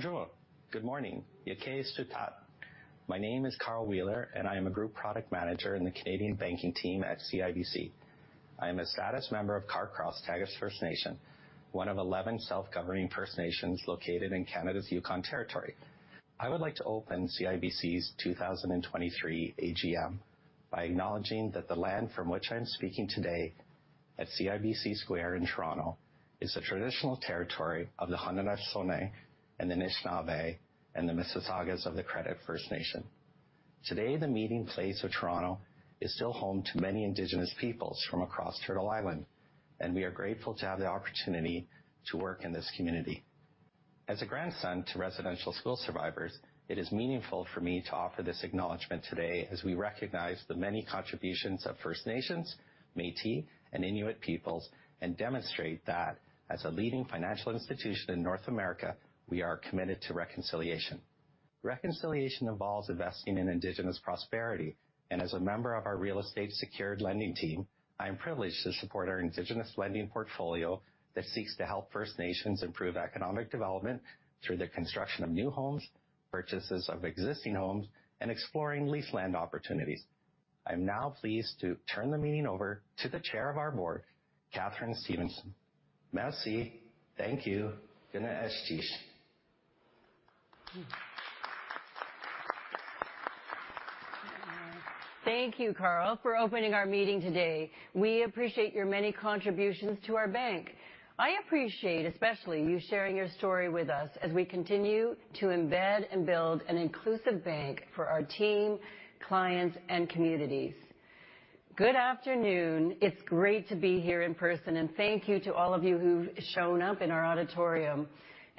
Bonjour, good morning, your case too tight. My name is Karl Wieler, and I am a Group Product Manager in the Canadian Banking Team at CIBC. I am a status member of Carcross Tagish First Nation, one of 11 self-governing First Nations located in Canada's Yukon Territory. I would like to open CIBC's 2023 AGM by acknowledging that the land from which I am speaking today at CIBC Square in Toronto is a traditional territory of the Haudenosaunee and the Anishinaabe and the Mississaugas of the Credit First Nation. Today, the meeting place of Toronto is still home to many Indigenous peoples from across Turtle Island, and we are grateful to have the opportunity to work in this community. As a grandson to residential school survivors, it is meaningful for me to offer this acknowledgement today as we recognize the many contributions of First Nations, Métis, and Inuit peoples and demonstrate that, as a leading financial institution in North America, we are committed to reconciliation. Reconciliation involves investing in Indigenous prosperity, and as a member of our Real Estate Secured Lending Team, I am privileged to support our Indigenous lending portfolio that seeks to help First Nations improve economic development through the construction of new homes, purchases of existing homes, and exploring lease land opportunities. I am now pleased to turn the meeting over to the Chair of our Board, Katharine Stevenson. Merci, thank you, good night, ashish. Thank you, Karl, for opening our meeting today. We appreciate your many contributions to our bank. I appreciate especially you sharing your story with us as we continue to embed and build an inclusive bank for our team, clients, and communities. Good afternoon. It's great to be here in person, and thank you to all of you who've shown up in our auditorium.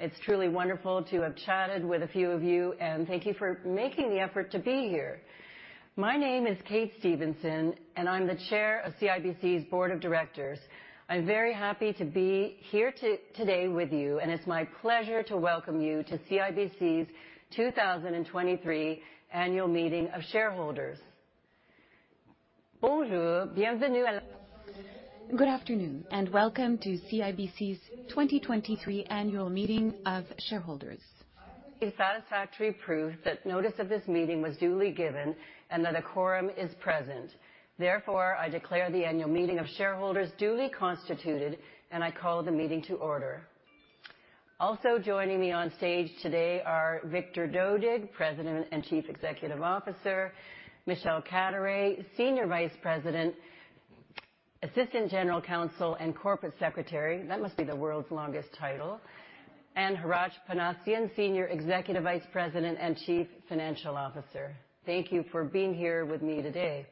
It's truly wonderful to have chatted with a few of you, and thank you for making the effort to be here. My name is Kate Stevenson, and I'm the Chair of CIBC's Board of Directors. I'm very happy to be here today with you, and it's my pleasure to welcome you to CIBC's 2023 Annual Meeting of Shareholders. Bonjour, bienvenue. Good afternoon, and welcome to CIBC's 2023 Annual Meeting of Shareholders. Is satisfactory proof that notice of this meeting was duly given and that a quorum is present. Therefore, I declare the Annual Meeting of Shareholders duly constituted, and I call the meeting to order. Also joining me on stage today are Victor Dodig, President and Chief Executive Officer; Michelle Caturay, Senior Vice President, Assistant General Counsel, and Corporate Secretary—that must be the world's longest title—and Hratch Panossian, Senior Executive Vice President and Chief Financial Officer. Thank you for being here with me today.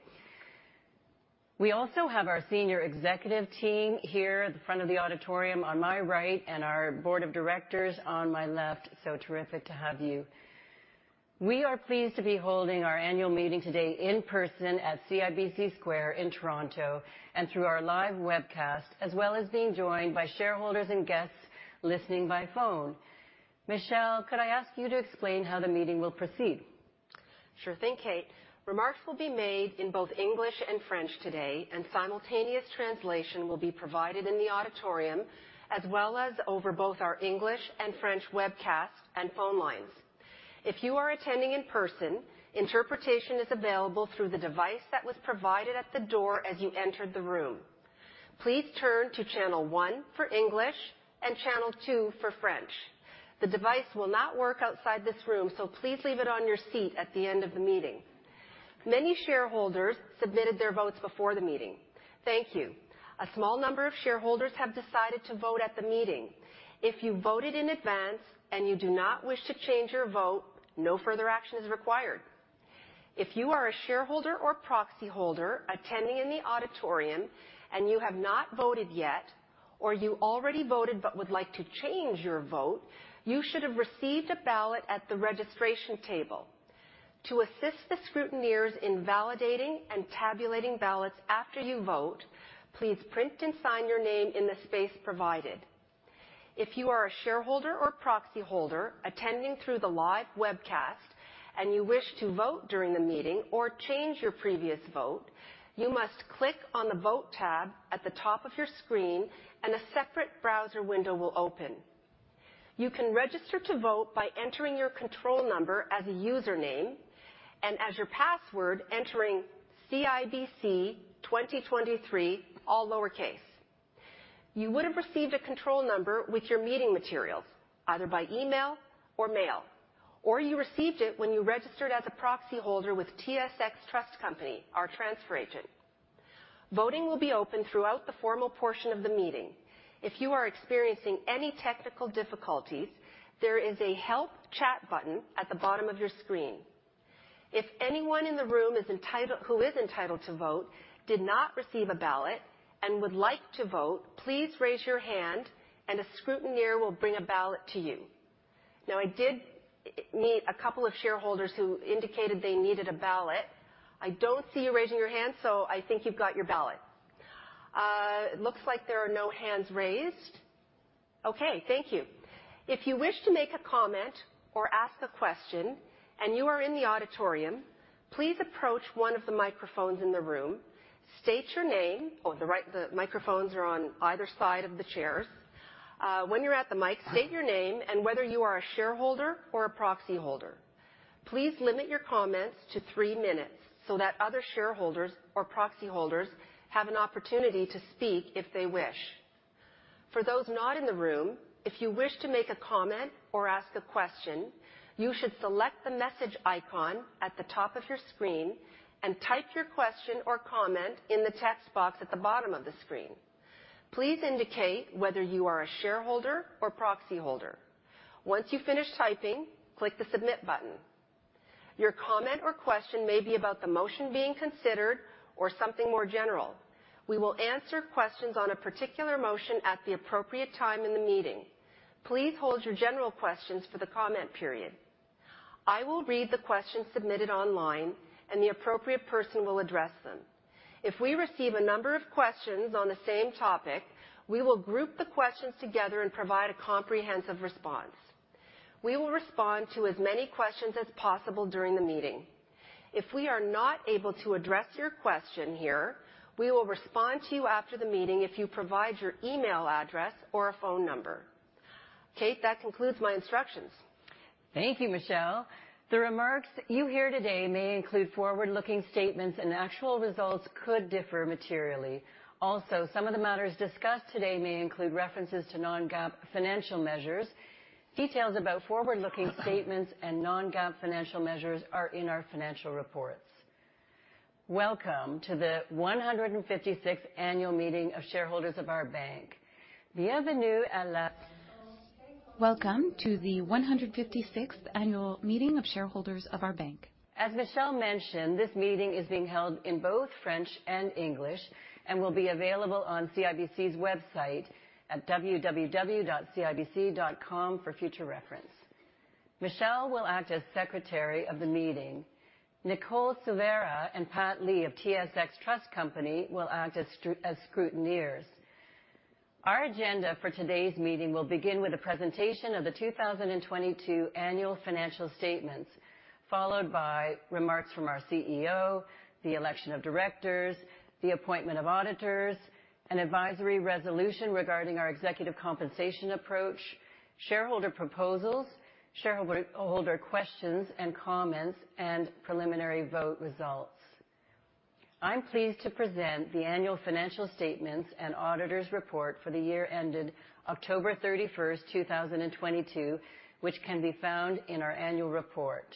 We also have our Senior Executive Team here at the front of the auditorium on my right and our Board of Directors on my left. Terrific to have you. We are pleased to be holding our Annual Meeting today in person at CIBC Square in Toronto and through our live webcast, as well as being joined by shareholders and guests listening by phone. Michelle, could I ask you to explain how the meeting will proceed? Sure thing, Kate. Remarks will be made in both English and French today, and simultaneous translation will be provided in the auditorium as well as over both our English and French webcasts and phone lines. If you are attending in person, interpretation is available through the device that was provided at the door as you entered the room. Please turn to channel one for English and channel two for French. The device will not work outside this room, so please leave it on your seat at the end of the meeting. Many shareholders submitted their votes before the meeting. Thank you. A small number of shareholders have decided to vote at the meeting. If you voted in advance and you do not wish to change your vote, no further action is required. If you are a shareholder or proxy holder attending in the auditorium and you have not voted yet, or you already voted but would like to change your vote, you should have received a ballot at the registration table. To assist the scrutineers in validating and tabulating ballots after you vote, please print and sign your name in the space provided. If you are a shareholder or proxy holder attending through the live webcast and you wish to vote during the meeting or change your previous vote, you must click on the vote tab at the top of your screen, and a separate browser window will open. You can register to vote by entering your control number as a username and as your password, entering CIBC2023, all lowercase. You would have received a control number with your meeting materials, either by email or mail, or you received it when you registered as a proxy holder with TSX Trust Company, our transfer agent. Voting will be open throughout the formal portion of the meeting. If you are experiencing any technical difficulties, there is a help chat button at the bottom of your screen. If anyone in the room who is entitled to vote did not receive a ballot and would like to vote, please raise your hand, and a scrutineer will bring a ballot to you. Now, I did meet a couple of shareholders who indicated they needed a ballot. I do not see you raising your hand, so I think you have got your ballot. Looks like there are no hands raised. Okay, thank you. If you wish to make a comment or ask a question and you are in the auditorium, please approach one of the microphones in the room. State your name. The microphones are on either side of the chairs. When you're at the mic, state your name and whether you are a shareholder or a proxy holder. Please limit your comments to three minutes so that other shareholders or proxy holders have an opportunity to speak if they wish. For those not in the room, if you wish to make a comment or ask a question, you should select the message icon at the top of your screen and type your question or comment in the text box at the bottom of the screen. Please indicate whether you are a shareholder or proxy holder. Once you finish typing, click the submit button. Your comment or question may be about the motion being considered or something more general. We will answer questions on a particular motion at the appropriate time in the meeting. Please hold your general questions for the comment period. I will read the questions submitted online, and the appropriate person will address them. If we receive a number of questions on the same topic, we will group the questions together and provide a comprehensive response. We will respond to as many questions as possible during the meeting. If we are not able to address your question here, we will respond to you after the meeting if you provide your email address or a phone number. Kate, that concludes my instructions. Thank you, Michelle. The remarks you hear today may include forward-looking statements, and actual results could differ materially. Also, some of the matters discussed today may include references to non-GAAP financial measures. Details about forward-looking statements and non-GAAP financial measures are in our financial reports. Welcome to the 156th Annual Meeting of Shareholders of our Bank. Bienvenue à la. Welcome to the 156th Annual Meeting of Shareholders of our Bank. As Michelle mentioned, this meeting is being held in both French and English and will be available on CIBC's website at www.cibc.com for future reference. Michelle will act as Secretary of the Meeting. Nicole Silvera and Pat Lee of TSX Trust Company will act as scrutineers. Our agenda for today's meeting will begin with a presentation of the 2022 Annual Financial Statements, followed by remarks from our CEO, the election of directors, the appointment of auditors, an advisory resolution regarding our executive compensation approach, shareholder proposals, shareholder questions and comments, and preliminary vote results. I'm pleased to present the Annual Financial Statements and Auditor's Report for the year ended October 31, 2022, which can be found in our Annual Report.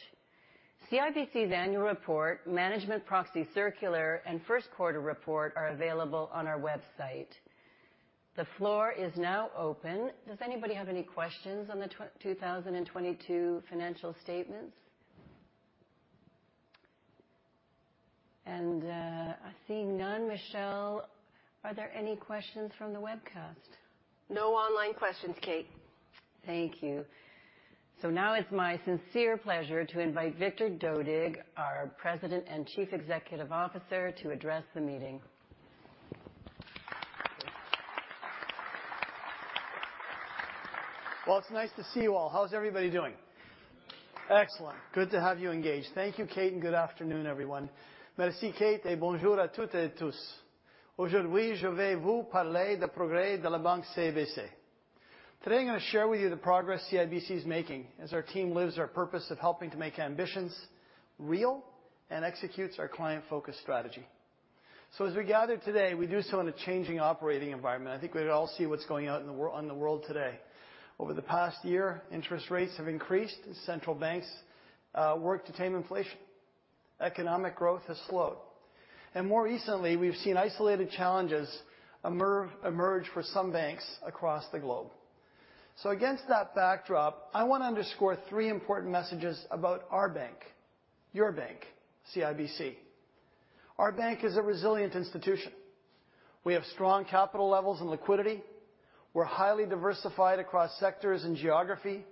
CIBC's Annual Report, Management Proxy Circular, and First Quarter Report are available on our website. The floor is now open. Does anybody have any questions on the 2022 financial statements? I see none. Michelle, are there any questions from the webcast? No online questions, Kate. Thank you. It is my sincere pleasure to invite Victor Dodig, our President and Chief Executive Officer, to address the meeting. It's nice to see you all. How's everybody doing? Excellent. Good to have you engaged. Thank you, Kate, and good afternoon, everyone. Merci, Kate, et bonjour à toutes et à tous. Aujourd'hui, je vais vous parler des progrès de la Banque CIBC. Today, I'm going to share with you the progress CIBC is making as our team lives our purpose of helping to make ambitions real and executes our client-focused strategy. As we gather today, we do so in a changing operating environment. I think we all see what's going on in the world today. Over the past year, interest rates have increased, and central banks work to tame inflation. Economic growth has slowed. More recently, we've seen isolated challenges emerge for some banks across the globe. Against that backdrop, I want to underscore three important messages about our bank, your bank, CIBC. Our bank is a resilient institution. We have strong capital levels and liquidity. We're highly diversified across sectors and geography,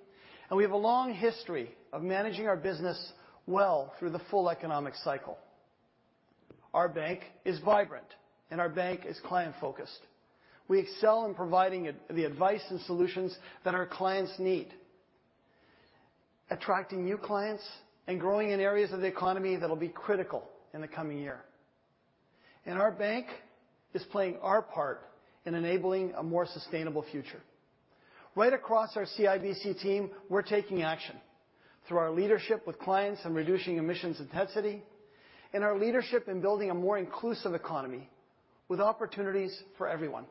and we have a long history of managing our business well through the full economic cycle. Our bank is vibrant, and our bank is client-focused. We excel in providing the advice and solutions that our clients need, attracting new clients, and growing in areas of the economy that will be critical in the coming year. Our bank is playing our part in enabling a more sustainable future. Right across our CIBC team, we're taking action through our leadership with clients and reducing emissions intensity, and our leadership in building a more inclusive economy with opportunities for everyone.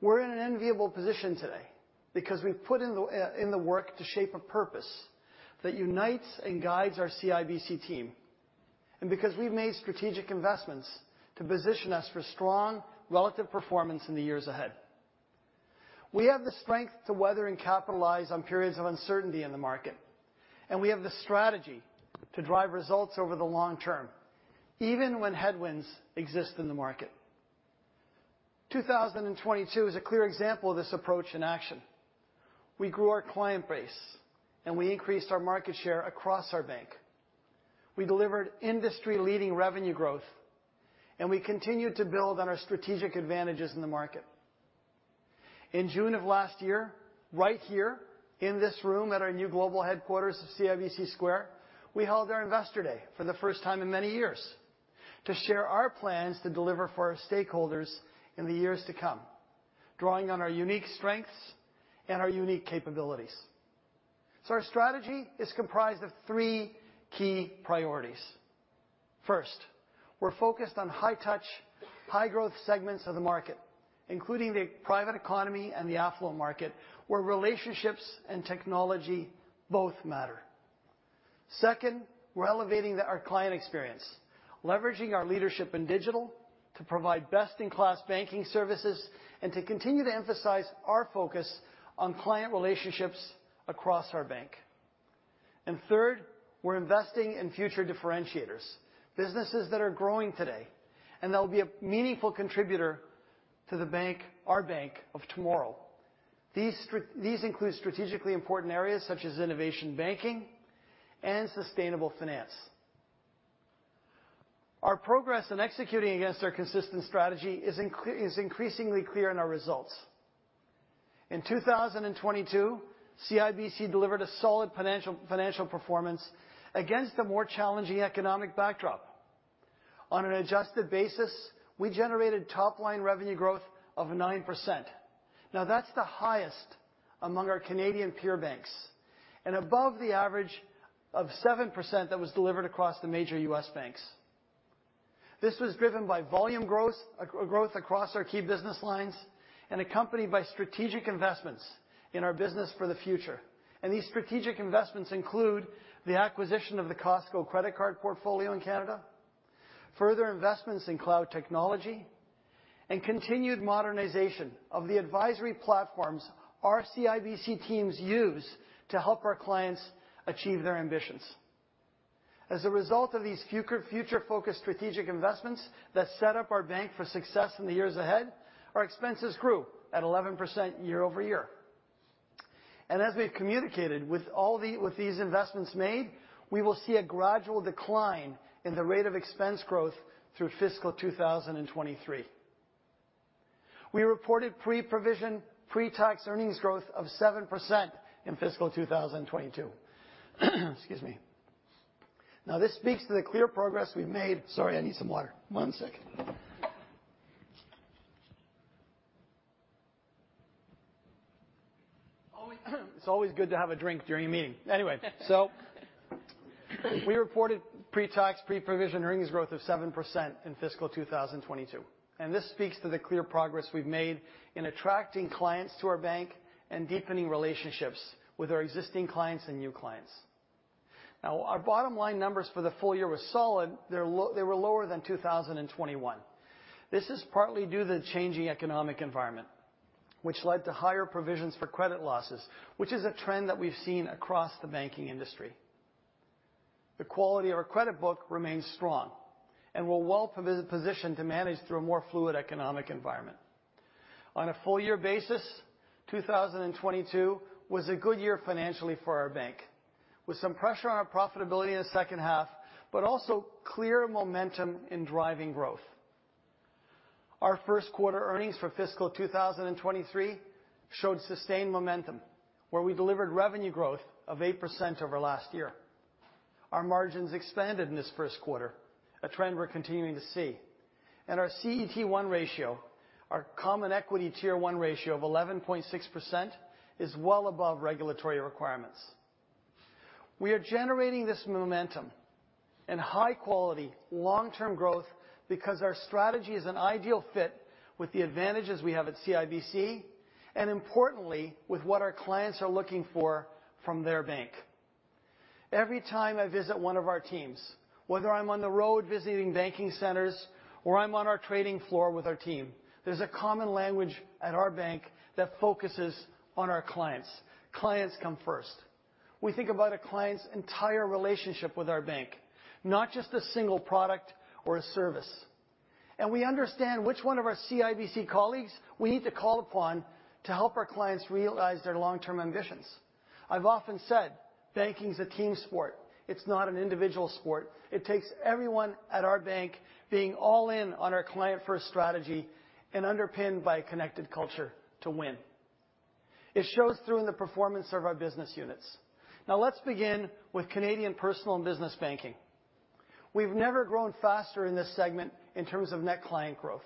We're in an enviable position today because we've put in the work to shape a purpose that unites and guides our CIBC team, and because we've made strategic investments to position us for strong relative performance in the years ahead. We have the strength to weather and capitalize on periods of uncertainty in the market, and we have the strategy to drive results over the long term, even when headwinds exist in the market. 2022 is a clear example of this approach in action. We grew our client base, and we increased our market share across our bank. We delivered industry-leading revenue growth, and we continued to build on our strategic advantages in the market. In June of last year, right here in this room at our new global headquarters of CIBC Square, we held our Investor Day for the first time in many years to share our plans to deliver for our stakeholders in the years to come, drawing on our unique strengths and our unique capabilities. Our strategy is comprised of three key priorities. First, we're focused on high-touch, high-growth segments of the market, including the private economy and the affluent market, where relationships and technology both matter. Second, we're elevating our client experience, leveraging our leadership in digital to provide best-in-class banking services and to continue to emphasize our focus on client relationships across our bank. Third, we're investing in future differentiators, businesses that are growing today, and that will be a meaningful contributor to the bank, our bank of tomorrow. These include strategically important areas such as innovation banking and sustainable finance. Our progress in executing against our consistent strategy is increasingly clear in our results. In 2022, CIBC delivered a solid financial performance against a more challenging economic backdrop. On an adjusted basis, we generated top-line revenue growth of 9%. Now, that's the highest among our Canadian peer banks and above the average of 7% that was delivered across the major U.S. banks. This was driven by volume growth across our key business lines and accompanied by strategic investments in our business for the future. These strategic investments include the acquisition of the CIBC Costco Mastercard credit card portfolio in Canada, further investments in cloud technology, and continued modernization of the advisory platforms our CIBC teams use to help our clients achieve their ambitions. As a result of these future-focused strategic investments that set up our bank for success in the years ahead, our expenses grew at 11% year over year. As we have communicated with all these investments made, we will see a gradual decline in the rate of expense growth through fiscal 2023. We reported pre-provision, pre-tax earnings growth of 7% in fiscal 2022. Excuse me. Now, this speaks to the clear progress we have made. Sorry, I need some water. One sec. It's always good to have a drink during a meeting. Anyway, we reported pre-tax, pre-provision earnings growth of 7% in fiscal 2022. This speaks to the clear progress we have made in attracting clients to our bank and deepening relationships with our existing clients and new clients. Our bottom-line numbers for the full year were solid. They were lower than 2021. This is partly due to the changing economic environment, which led to higher provisions for credit losses, which is a trend that we've seen across the banking industry. The quality of our credit book remains strong and we're well-positioned to manage through a more fluid economic environment. On a full-year basis, 2022 was a good year financially for our bank, with some pressure on our profitability in the second half, but also clear momentum in driving growth. Our first-quarter earnings for fiscal 2023 showed sustained momentum, where we delivered revenue growth of 8% over last year. Our margins expanded in this first quarter, a trend we're continuing to see. Our CET1 ratio, our common equity tier 1 ratio of 11.6%, is well above regulatory requirements. We are generating this momentum and high-quality long-term growth because our strategy is an ideal fit with the advantages we have at CIBC and, importantly, with what our clients are looking for from their bank. Every time I visit one of our teams, whether I'm on the road visiting banking centers or I'm on our trading floor with our team, there's a common language at our bank that focuses on our clients. Clients come first. We think about a client's entire relationship with our bank, not just a single product or a service. We understand which one of our CIBC colleagues we need to call upon to help our clients realize their long-term ambitions. I've often said banking's a team sport. It's not an individual sport. It takes everyone at our bank being all in on our client-first strategy and underpinned by a connected culture to win. It shows through in the performance of our business units. Now, let's begin with Canadian Personal and Business Banking. We've never grown faster in this segment in terms of net client growth.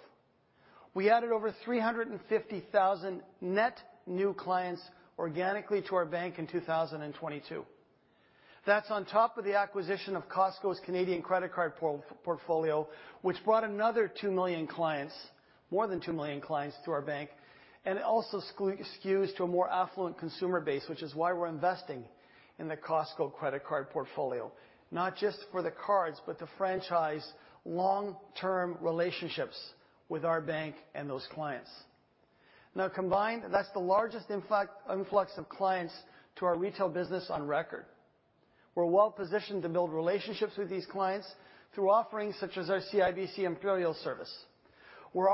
We added over 350,000 net new clients organically to our bank in 2022. That's on top of the acquisition of Costco's Canadian credit card portfolio, which brought another 2 million clients, more than 2 million clients to our bank, and also skews to a more affluent consumer base, which is why we're investing in the Costco credit card portfolio, not just for the cards, but to franchise long-term relationships with our bank and those clients. Now, combined, that's the largest influx of clients to our retail business on record. We're well-positioned to build relationships with these clients through offerings such as our CIBC Imperial Service, where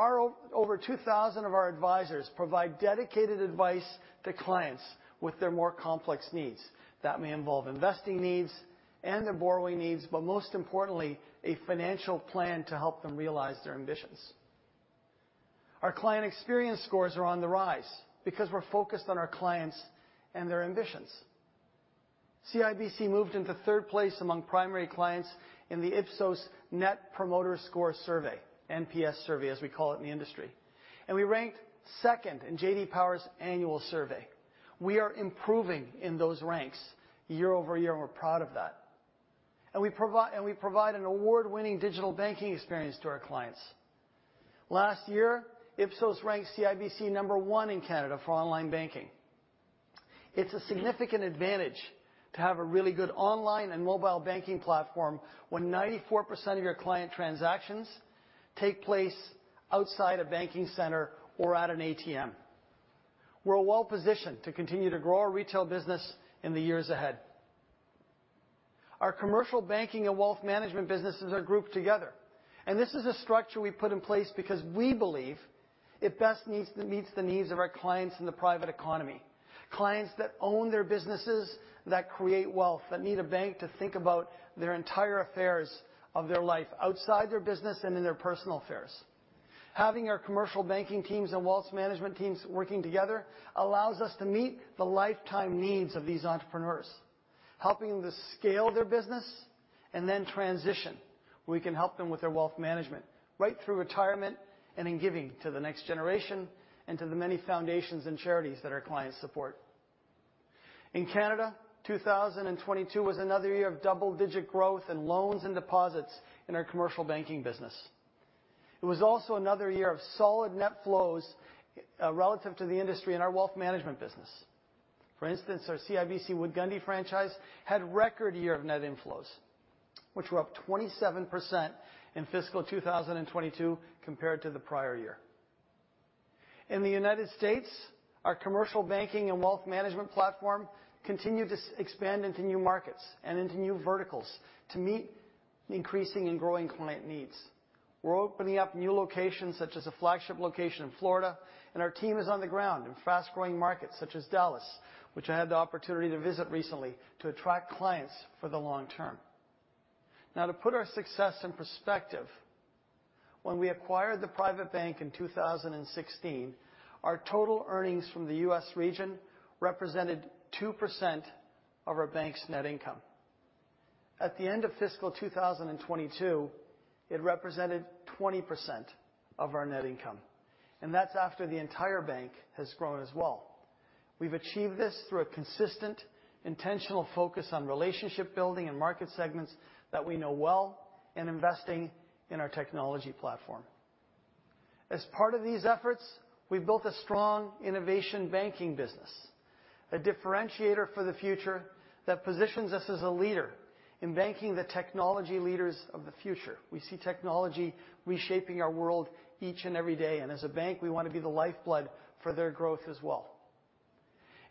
over 2,000 of our advisors provide dedicated advice to clients with their more complex needs. That may involve investing needs and their borrowing needs, but most importantly, a financial plan to help them realize their ambitions. Our client experience scores are on the rise because we're focused on our clients and their ambitions. CIBC moved into third place among primary clients in the Ipsos Net Promoter Score Survey, NPS survey, as we call it in the industry. We ranked second in JD Power's annual survey. We are improving in those ranks year over year, and we're proud of that. We provide an award-winning digital banking experience to our clients. Last year, Ipsos ranked CIBC number one in Canada for online banking. It's a significant advantage to have a really good online and mobile banking platform when 94% of your client transactions take place outside a banking center or at an ATM. We're well-positioned to continue to grow our retail business in the years ahead. Our commercial banking and wealth management businesses are grouped together. This is a structure we put in place because we believe it best meets the needs of our clients in the private economy, clients that own their businesses that create wealth, that need a bank to think about their entire affairs of their life outside their business and in their personal affairs. Having our commercial banking teams and wealth management teams working together allows us to meet the lifetime needs of these entrepreneurs, helping them to scale their business and then transition. We can help them with their wealth management right through retirement and in giving to the next generation and to the many foundations and charities that our clients support. In Canada, 2022 was another year of double-digit growth in loans and deposits in our commercial banking business. It was also another year of solid net flows relative to the industry in our wealth management business. For instance, our CIBC Wood Gundy franchise had a record year of net inflows, which were up 27% in fiscal 2022 compared to the prior year. In the U.S., our commercial banking and wealth management platform continued to expand into new markets and into new verticals to meet increasing and growing client needs. We're opening up new locations such as a flagship location in Florida, and our team is on the ground in fast-growing markets such as Dallas, which I had the opportunity to visit recently to attract clients for the long term. Now, to put our success in perspective, when we acquired the private bank in 2016, our total earnings from the U.S. region represented 2% of our bank's net income. At the end of fiscal 2022, it represented 20% of our net income. That is after the entire bank has grown as well. We've achieved this through a consistent, intentional focus on relationship building and market segments that we know well and investing in our technology platform. As part of these efforts, we've built a strong innovation banking business, a differentiator for the future that positions us as a leader in banking the technology leaders of the future. We see technology reshaping our world each and every day. As a bank, we want to be the lifeblood for their growth as well.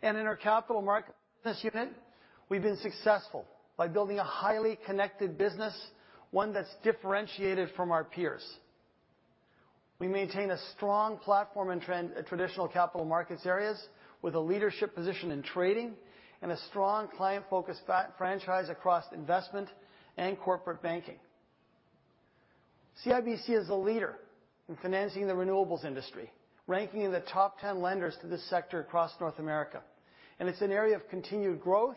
In our Capital Markets unit, we have been successful by building a highly connected business, one that is differentiated from our peers. We maintain a strong platform in traditional capital markets areas with a leadership position in trading and a strong client-focused franchise across investment and corporate banking. CIBC is a leader in financing the renewables industry, ranking in the top 10 lenders to this sector across North America. It is an area of continued growth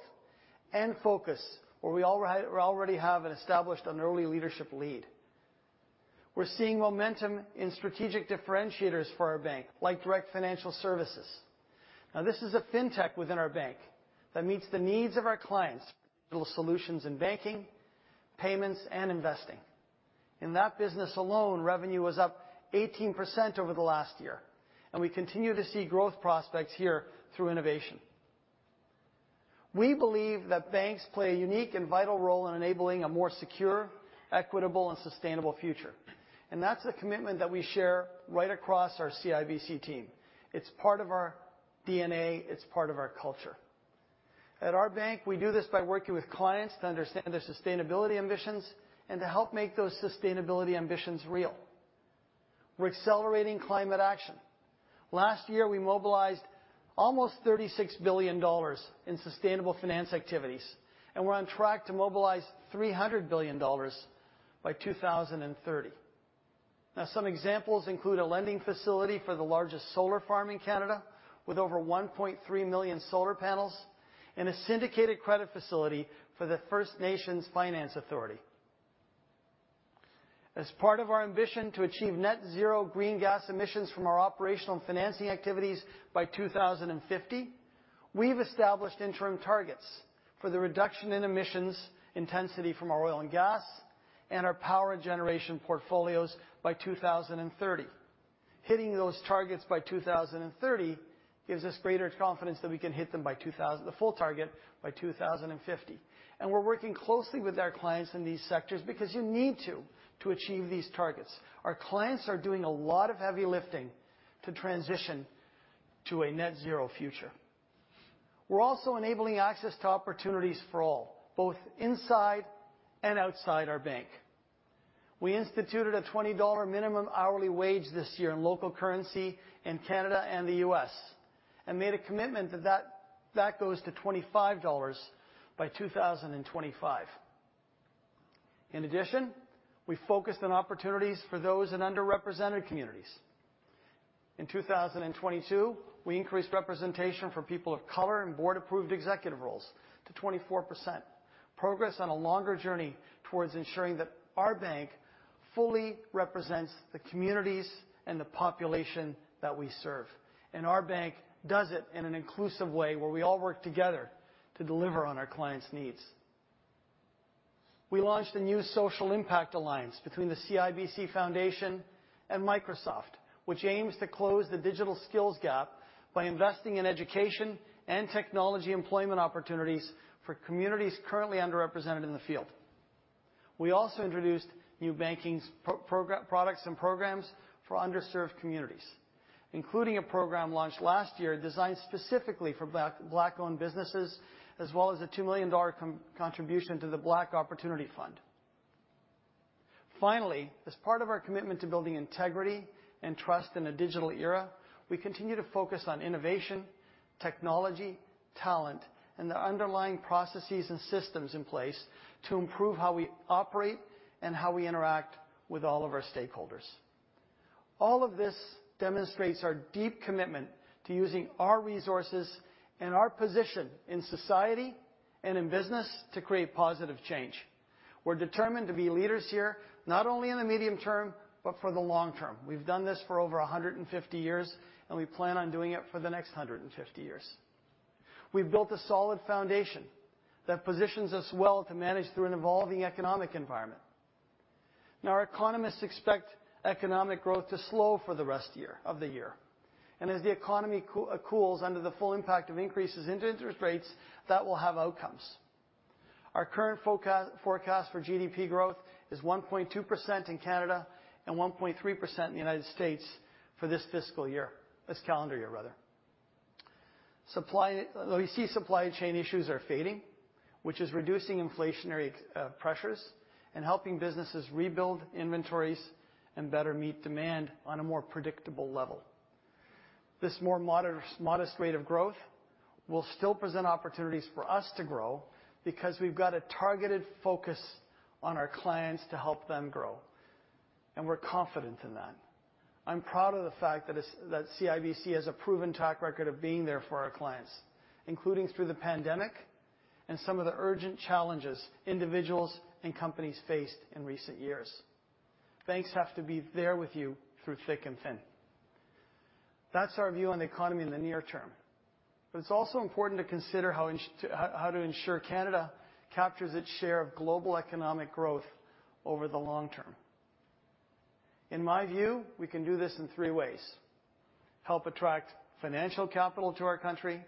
and focus where we already have an established and early leadership lead. We are seeing momentum in strategic differentiators for our bank, like Direct Financial Services. This is a fintech within our bank that meets the needs of our clients' digital solutions in banking, payments, and investing. In that business alone, revenue was up 18% over the last year. We continue to see growth prospects here through innovation. We believe that banks play a unique and vital role in enabling a more secure, equitable, and sustainable future. That is a commitment that we share right across our CIBC team. It is part of our DNA. It is part of our culture. At our bank, we do this by working with clients to understand their sustainability ambitions and to help make those sustainability ambitions real. We are accelerating climate action. Last year, we mobilized almost 36 billion dollars in sustainable finance activities, and we are on track to mobilize 300 billion dollars by 2030. Some examples include a lending facility for the largest solar farm in Canada with over 1.3 million solar panels and a syndicated credit facility for the First Nations Finance Authority. As part of our ambition to achieve net zero greenhouse gas emissions from our operational and financing activities by 2050, we've established interim targets for the reduction in emissions intensity from our oil and gas and our power generation portfolios by 2030. Hitting those targets by 2030 gives us greater confidence that we can hit the full target by 2050. We're working closely with our clients in these sectors because you need to to achieve these targets. Our clients are doing a lot of heavy lifting to transition to a net zero future. We're also enabling access to opportunities for all, both inside and outside our bank. We instituted a 20 dollar minimum hourly wage this year in local currency in Canada and the U.S. and made a commitment that that goes to 25 dollars by 2025. In addition, we focused on opportunities for those in underrepresented communities. In 2022, we increased representation for people of color in board-approved executive roles to 24%. Progress on a longer journey towards ensuring that our bank fully represents the communities and the population that we serve. Our bank does it in an inclusive way where we all work together to deliver on our clients' needs. We launched a new social impact alliance between the CIBC Foundation and Microsoft, which aims to close the digital skills gap by investing in education and technology employment opportunities for communities currently underrepresented in the field. We also introduced new banking products and programs for underserved communities, including a program launched last year designed specifically for Black-owned businesses, as well as a 2 million dollar contribution to the Black Opportunity Fund. Finally, as part of our commitment to building integrity and trust in a digital era, we continue to focus on innovation, technology, talent, and the underlying processes and systems in place to improve how we operate and how we interact with all of our stakeholders. All of this demonstrates our deep commitment to using our resources and our position in society and in business to create positive change. We're determined to be leaders here not only in the medium term, but for the long term. We've done this for over 150 years, and we plan on doing it for the next 150 years. We've built a solid foundation that positions us well to manage through an evolving economic environment. Now, our economists expect economic growth to slow for the rest of the year. As the economy cools under the full impact of increases in interest rates, that will have outcomes. Our current forecast for GDP growth is 1.2% in Canada and 1.3% in the United States for this fiscal year, this calendar year, rather. We see supply chain issues are fading, which is reducing inflationary pressures and helping businesses rebuild inventories and better meet demand on a more predictable level. This more modest rate of growth will still present opportunities for us to grow because we've got a targeted focus on our clients to help them grow. We're confident in that. I'm proud of the fact that CIBC has a proven track record of being there for our clients, including through the pandemic and some of the urgent challenges individuals and companies faced in recent years. Banks have to be there with you through thick and thin. That's our view on the economy in the near term. It's also important to consider how to ensure Canada captures its share of global economic growth over the long term. In my view, we can do this in three ways: help attract financial capital to our country,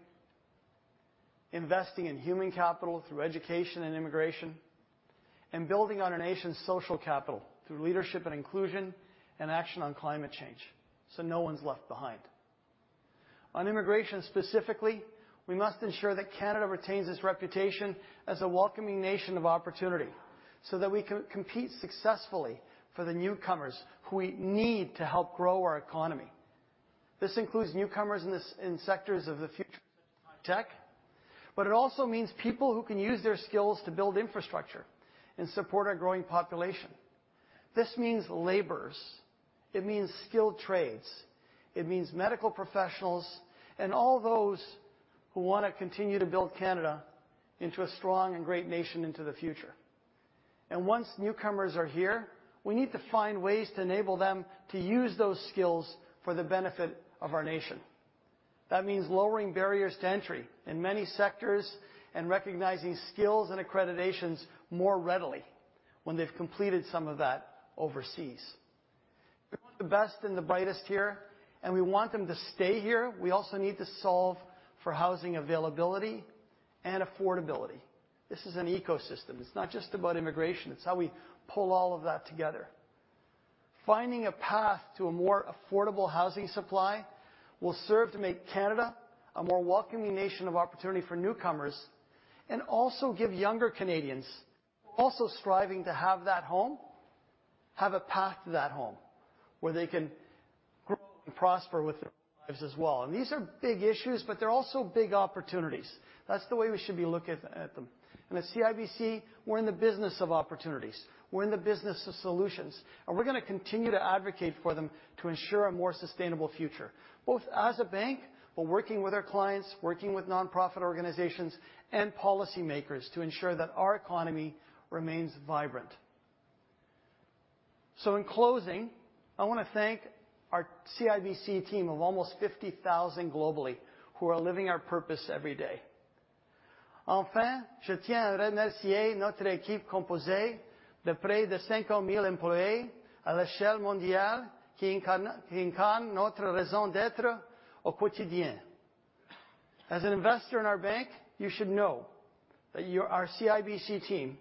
investing in human capital through education and immigration, and building on our nation's social capital through leadership and inclusion and action on climate change so no one's left behind. On immigration specifically, we must ensure that Canada retains its reputation as a welcoming nation of opportunity so that we can compete successfully for the newcomers who we need to help grow our economy. This includes newcomers in sectors of the future such as high tech, but it also means people who can use their skills to build infrastructure and support our growing population. This means laborers. It means skilled trades. It means medical professionals and all those who want to continue to build Canada into a strong and great nation into the future. Once newcomers are here, we need to find ways to enable them to use those skills for the benefit of our nation. That means lowering barriers to entry in many sectors and recognizing skills and accreditations more readily when they've completed some of that overseas. We want the best and the brightest here, and we want them to stay here. We also need to solve for housing availability and affordability. This is an ecosystem. It's not just about immigration. It's how we pull all of that together. Finding a path to a more affordable housing supply will serve to make Canada a more welcoming nation of opportunity for newcomers and also give younger Canadians who are also striving to have that home have a path to that home where they can grow and prosper with their lives as well. These are big issues, but they are also big opportunities. That is the way we should be looking at them. At CIBC, we are in the business of opportunities. We are in the business of solutions. We are going to continue to advocate for them to ensure a more sustainable future, both as a bank, but working with our clients, working with nonprofit organizations, and policymakers to ensure that our economy remains vibrant. In closing, I want to thank our CIBC team of almost 50,000 globally who are living our purpose every day. Enfin, je tiens à remercier notre équipe composée de près de 500,000 employés à l'échelle mondiale qui incarnent notre raison d'être au quotidien. As an investor in our bank, you should know that our CIBC team,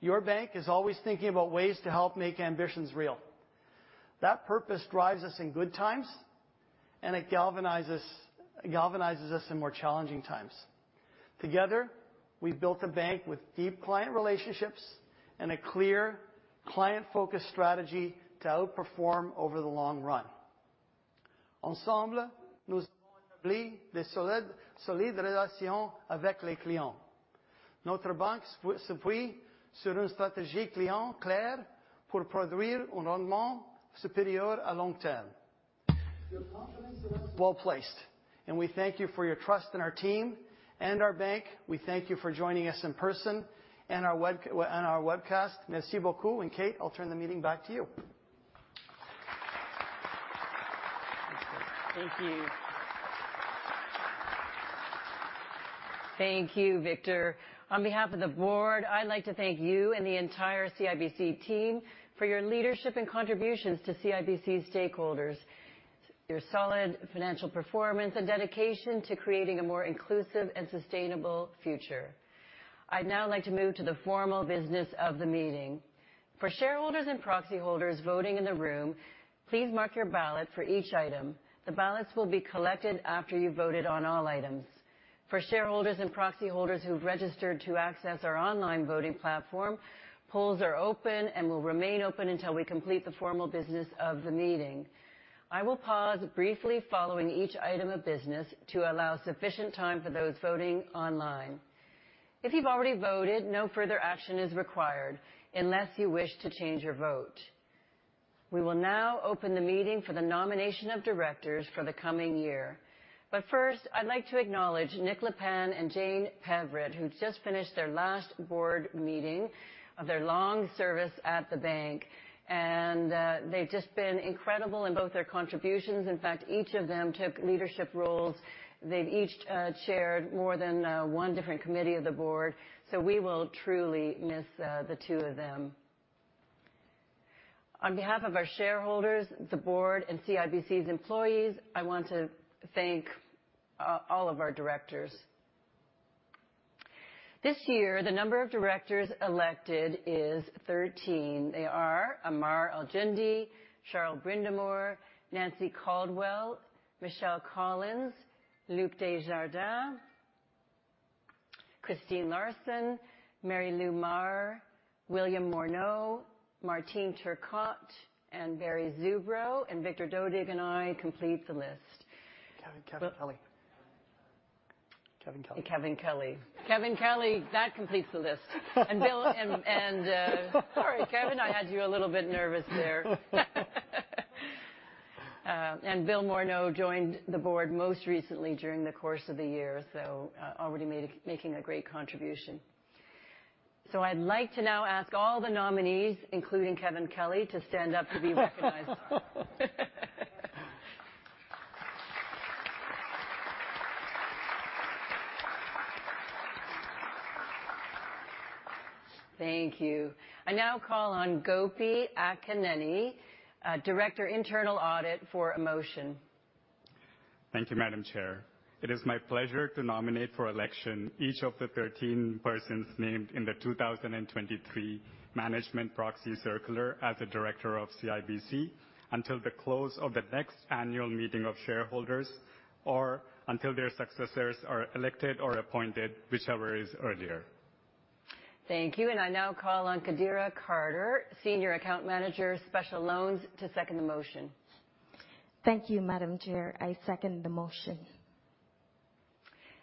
your bank, is always thinking about ways to help make ambitions real. That purpose drives us in good times and it galvanizes us in more challenging times. Together, we've built a bank with deep client relationships and a clear client-focused strategy to outperform over the long run. Ensemble, nous avons établi de solides relations avec les clients. Notre banque se fuit sur une stratégie client claire pour produire un rendement supérieur à long terme. Your confidence. Well placed. We thank you for your trust in our team and our bank. We thank you for joining us in person and our webcast. Merci beaucoup. Kate, I'll turn the meeting back to you. Thank you. Thank you, Victor. On behalf of the board, I'd like to thank you and the entire CIBC team for your leadership and contributions to CIBC stakeholders, your solid financial performance, and dedication to creating a more inclusive and sustainable future. I'd now like to move to the formal business of the meeting. For shareholders and proxy holders voting in the room, please mark your ballot for each item. The ballots will be collected after you've voted on all items. For shareholders and proxy holders who've registered to access our online voting platform, polls are open and will remain open until we complete the formal business of the meeting. I will pause briefly following each item of business to allow sufficient time for those voting online. If you've already voted, no further action is required unless you wish to change your vote. We will now open the meeting for the nomination of directors for the coming year. First, I'd like to acknowledge Nick Le Pan and Jane Pardoe, who just finished their last board meeting of their long service at the bank. They've just been incredible in both their contributions. In fact, each of them took leadership roles. They've each chaired more than one different committee of the board. We will truly miss the two of them. On behalf of our shareholders, the board, and CIBC's employees, I want to thank all of our directors. This year, the number of directors elected is 13. They are Ammar Al-Jundi, Shawn Brindamore, Nancy Caldwell, Michelle Collins, Luc Desjardins, Christine Larsen, Mary Lou Maher, William Morneau, Martine Turcotte, Barry Zubrow, Victor Dodig, and I complete the list. Kevin Kelly. Kevin Kelly. Kevin Kelly. Kevin Kelly. That completes the list. Bill, and sorry, Kevin, I had you a little bit nervous there. Bill Morneau joined the board most recently during the course of the year, so already making a great contribution. I would like to now ask all the nominees, including Kevin Kelly, to stand up to be recognized. Thank you. I now call on Gopi Akkeneni, Director Internal Audit, for the motion. Thank you, Madam Chair. It is my pleasure to nominate for election each of the 13 persons named in the 2023 Management Proxy Circular as a Director of CIBC until the close of the next annual meeting of shareholders or until their successors are elected or appointed, whichever is earlier. Thank you. I now call on Kadira Carter, Senior Account Manager, Special Loans, to second the motion. Thank you, Madam Chair. I second the motion.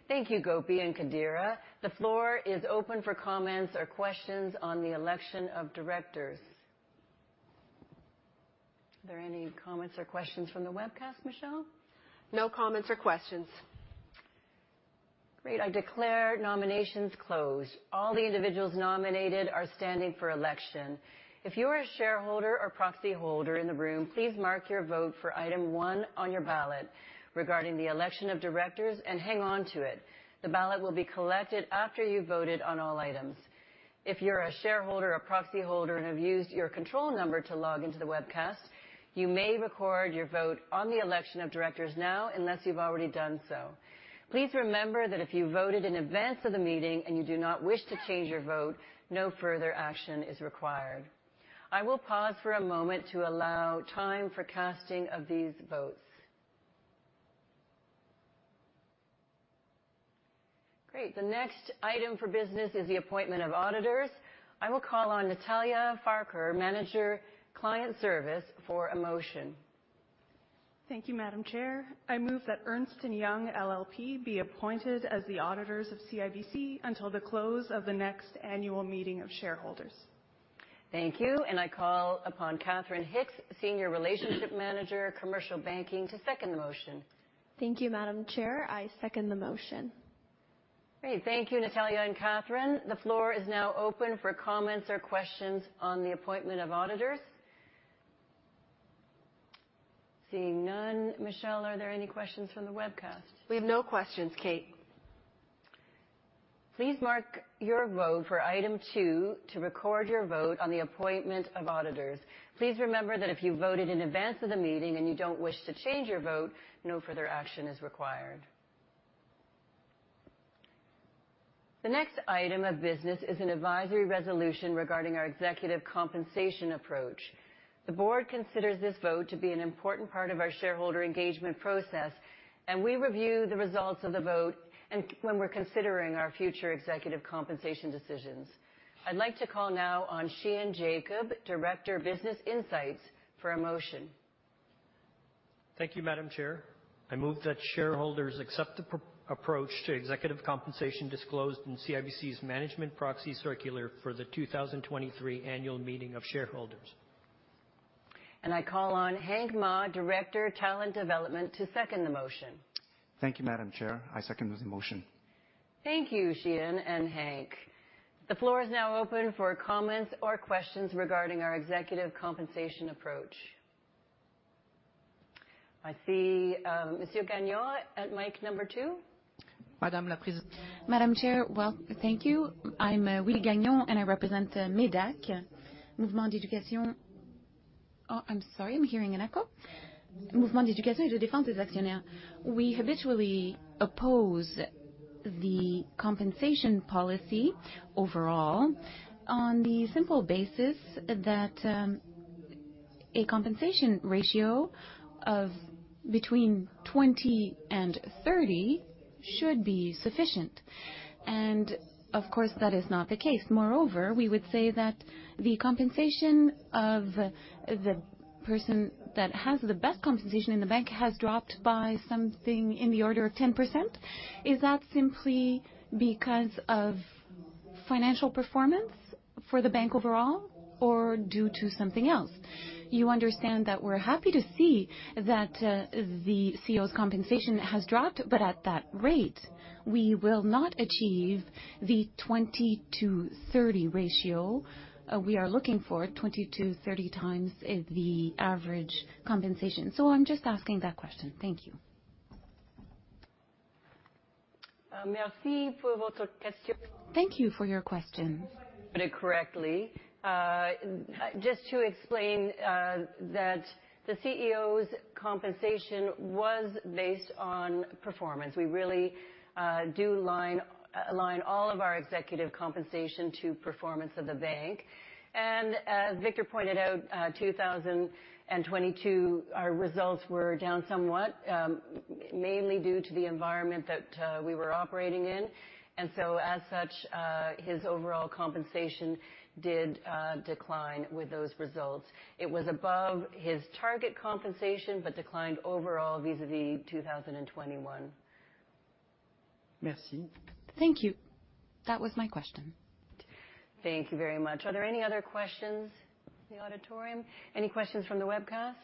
Thank you, Gopi and Kadira. The floor is open for comments or questions on the election of directors. Are there any comments or questions from the webcast, Michelle? No comments or questions. Great. I declare nominations closed. All the individuals nominated are standing for election. If you are a shareholder or proxy holder in the room, please mark your vote for item one on your ballot regarding the election of directors and hang on to it. The ballot will be collected after you've voted on all items. If you're a shareholder or proxy holder and have used your control number to log into the webcast, you may record your vote on the election of directors now unless you've already done so. Please remember that if you voted in advance of the meeting and you do not wish to change your vote, no further action is required. I will pause for a moment to allow time for casting of these votes. Great. The next item for business is the appointment of auditors. I will call on Natalia Farker, Manager Client Service, for a motion. Thank you, Madam Chair. I move that Ernst & Young LLP be appointed as the auditors of CIBC until the close of the next annual meeting of shareholders. Thank you. I call upon Katharine Hicks, Senior Relationship Manager, Commercial Banking, to second the motion. Thank you, Madam Chair. I second the motion. Great. Thank you, Natalia and Katharine. The floor is now open for comments or questions on the appointment of auditors. Seeing none. Michelle, are there any questions from the webcast? We have no questions, Kate. Please mark your vote for item two to record your vote on the appointment of auditors. Please remember that if you voted in advance of the meeting and you don't wish to change your vote, no further action is required. The next item of business is an advisory resolution regarding our executive compensation approach. The board considers this vote to be an important part of our shareholder engagement process, and we review the results of the vote when we're considering our future executive compensation decisions. I'd like to call now on Sheean Jacob, Director Business Insights, for a motion. Thank you, Madam Chair. I move that shareholders accept the approach to executive compensation disclosed in CIBC's Management Proxy Circular for the 2023 annual meeting of shareholders. I call on Hank Ma, Director Talent Development, to second the motion. Thank you, Madam Chair. I second the motion. Thank you, Sheean and Hank. The floor is now open for comments or questions regarding our executive compensation approach. I see Monsieur Gagnon at mic number two. Madam Chair, thank you. I'm Willie Gagnon and I represent MEDAC, Mouvement d'Éducation. Oh, I'm sorry, I'm hearing an echo. Mouvement d'Éducation et de Défense des Actionnaires. We habitually oppose the compensation policy overall on the simple basis that a compensation ratio between 20-30 should be sufficient. Of course, that is not the case. Moreover, we would say that the compensation of the person that has the best compensation in the bank has dropped by something in the order of 10%. Is that simply because of financial performance for the bank overall or due to something else? You understand that we're happy to see that the CEO's compensation has dropped, but at that rate, we will not achieve the 20-30 ratio we are looking for, 20-30 times the average compensation. I'm just asking that question. Thank you. Merci pour votre question. Thank you for your question. Put it correctly, just to explain that the CEO's compensation was based on performance. We really do align all of our executive compensation to performance of the bank. As Victor pointed out, 2022, our results were down somewhat, mainly due to the environment that we were operating in. As such, his overall compensation did decline with those results. It was above his target compensation but declined overall vis-à-vis 2021. Merci. Thank you. That was my question. Thank you very much. Are there any other questions in the auditorium? Any questions from the webcast?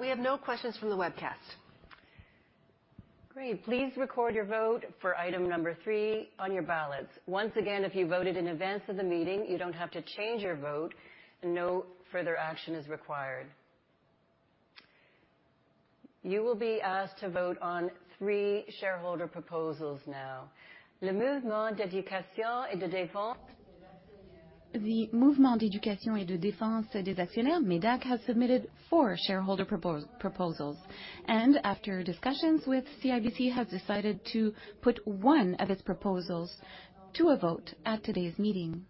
We have no questions from the webcast. Great. Please record your vote for item number three on your ballots. Once again, if you voted in advance of the meeting, you don't have to change your vote. No further action is required. You will be asked to vote on three shareholder proposals now. Le Mouvement d'Éducation et de Défense. The Mouvement d'Éducation et de Défense des Actionnaires, MEDAC, has submitted four shareholder proposals. After discussions with CIBC, it has decided to put one of its proposals to a vote at today's meeting.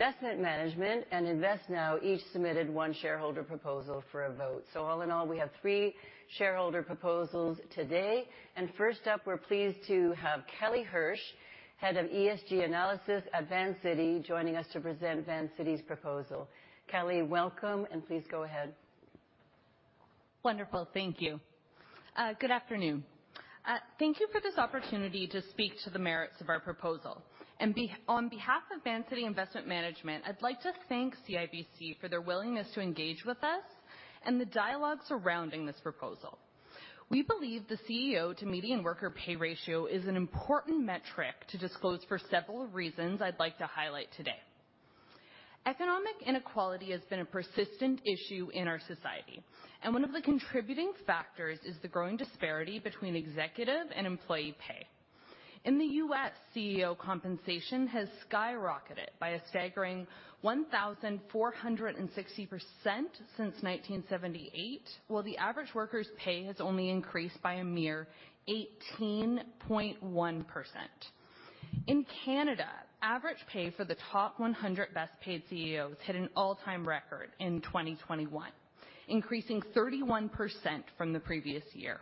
Asset Management and InvestNow each submitted one shareholder proposal for a vote. All in all, we have three shareholder proposals today. First up, we are pleased to have Kelly Hirsch, Head of ESG Analysis at Vancity, joining us to present Vancity's proposal. Kelly, welcome, and please go ahead. Wonderful. Thank you. Good afternoon. Thank you for this opportunity to speak to the merits of our proposal. On behalf of Vancity Investment Management, I'd like to thank CIBC for their willingness to engage with us and the dialogue surrounding this proposal. We believe the CEO to median worker pay ratio is an important metric to disclose for several reasons I'd like to highlight today. Economic inequality has been a persistent issue in our society, and one of the contributing factors is the growing disparity between executive and employee pay. In the U.S., CEO compensation has skyrocketed by a staggering 1,460% since 1978, while the average worker's pay has only increased by a mere 18.1%. In Canada, average pay for the top 100 best-paid CEOs hit an all-time record in 2021, increasing 31% from the previous year.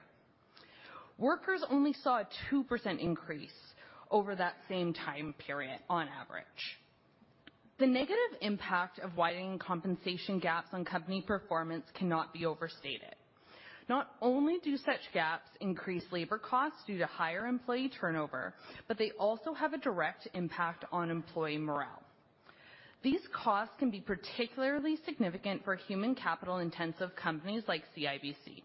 Workers only saw a 2% increase over that same time period on average. The negative impact of widening compensation gaps on company performance cannot be overstated. Not only do such gaps increase labor costs due to higher employee turnover, but they also have a direct impact on employee morale. These costs can be particularly significant for human capital-intensive companies like CIBC.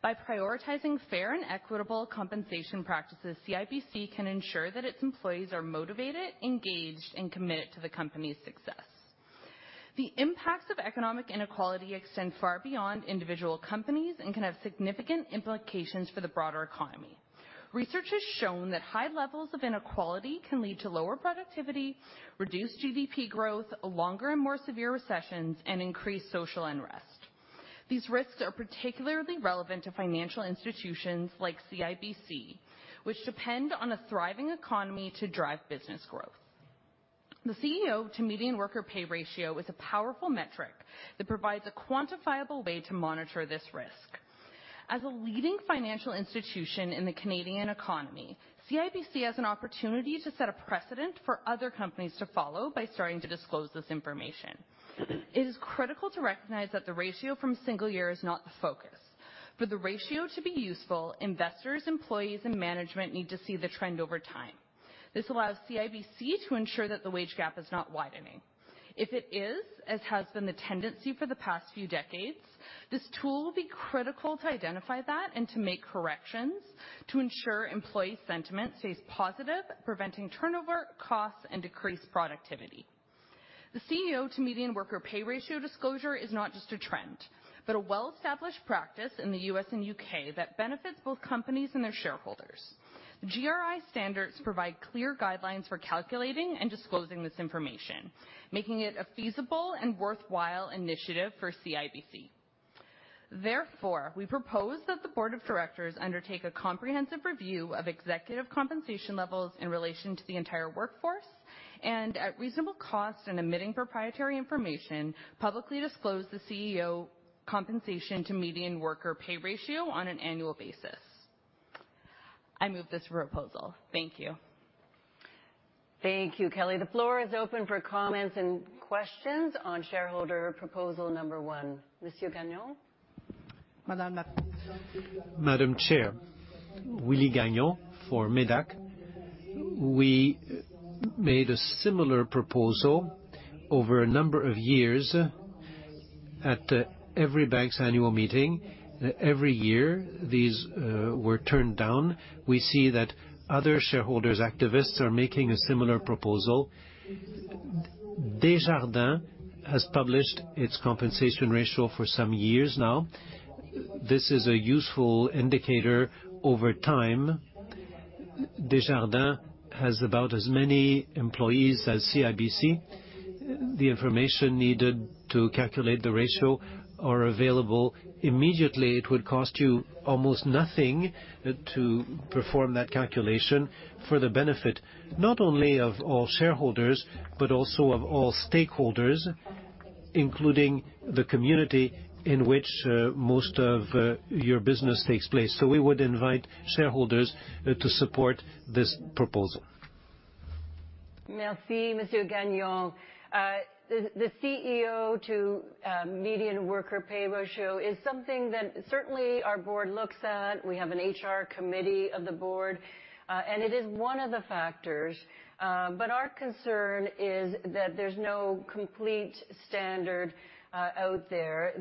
By prioritizing fair and equitable compensation practices, CIBC can ensure that its employees are motivated, engaged, and committed to the company's success. The impacts of economic inequality extend far beyond individual companies and can have significant implications for the broader economy. Research has shown that high levels of inequality can lead to lower productivity, reduced GDP growth, longer and more severe recessions, and increased social unrest. These risks are particularly relevant to financial institutions like CIBC, which depend on a thriving economy to drive business growth. The CEO to median worker pay ratio is a powerful metric that provides a quantifiable way to monitor this risk. As a leading financial institution in the Canadian economy, CIBC has an opportunity to set a precedent for other companies to follow by starting to disclose this information. It is critical to recognize that the ratio from a single year is not the focus. For the ratio to be useful, investors, employees, and management need to see the trend over time. This allows CIBC to ensure that the wage gap is not widening. If it is, as has been the tendency for the past few decades, this tool will be critical to identify that and to make corrections to ensure employee sentiment stays positive, preventing turnover, costs, and decreased productivity. The CEO to median worker pay ratio disclosure is not just a trend, but a well-established practice in the U.S. and U.K. that benefits both companies and their shareholders. GRI standards provide clear guidelines for calculating and disclosing this information, making it a feasible and worthwhile initiative for CIBC. Therefore, we propose that the Board of Directors undertake a comprehensive review of executive compensation levels in relation to the entire workforce and, at reasonable cost and omitting proprietary information, publicly disclose the CEO compensation to median worker pay ratio on an annual basis. I move this proposal. Thank you. Thank you, Kelly. The floor is open for comments and questions on shareholder proposal number one. Monsieur Gagnon. Madam Chair, Willie Gagnon for MEDAC. We made a similar proposal over a number of years at every bank's annual meeting. Every year, these were turned down. We see that other shareholders' activists are making a similar proposal. Desjardins has published its compensation ratio for some years now. This is a useful indicator over time. Desjardins has about as many employees as CIBC. The information needed to calculate the ratio is available immediately. It would cost you almost nothing to perform that calculation for the benefit not only of all shareholders but also of all stakeholders, including the community in which most of your business takes place. We would invite shareholders to support this proposal. Merci, Monsieur Gagnon. The CEO to median worker pay ratio is something that certainly our board looks at. We have an HR committee of the board, and it is one of the factors. Our concern is that there's no complete standard out there.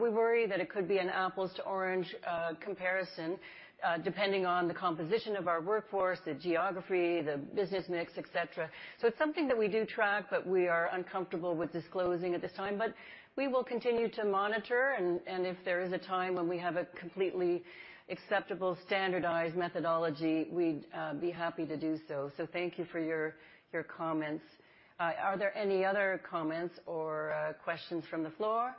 We worry that it could be an apples-to-orange comparison depending on the composition of our workforce, the geography, the business mix, etc. It is something that we do track, but we are uncomfortable with disclosing at this time. We will continue to monitor, and if there is a time when we have a completely acceptable standardized methodology, we'd be happy to do so. Thank you for your comments. Are there any other comments or questions from the floor?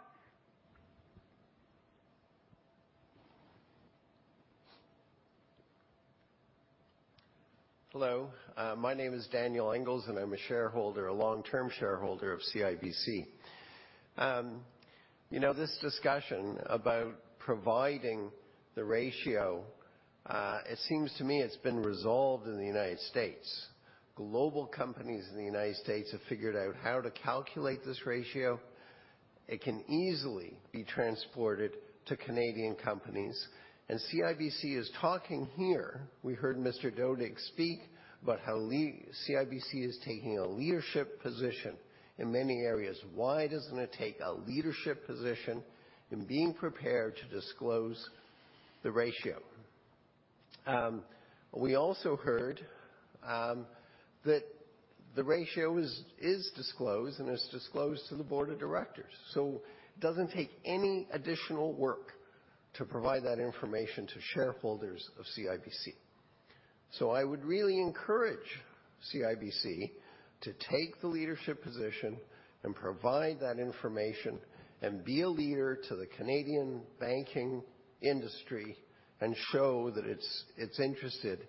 Hello. My name is Daniel Engels, and I'm a shareholder, a long-term shareholder of CIBC. This discussion about providing the ratio, it seems to me it's been resolved in the United States. Global companies in the United States have figured out how to calculate this ratio. It can easily be transported to Canadian companies. CIBC is talking here. We heard Mr. Dodig speak about how CIBC is taking a leadership position in many areas. Why doesn't it take a leadership position in being prepared to disclose the ratio? We also heard that the ratio is disclosed and is disclosed to the Board of Directors. It does not take any additional work to provide that information to shareholders of CIBC. I would really encourage CIBC to take the leadership position and provide that information and be a leader to the Canadian banking industry and show that it is interested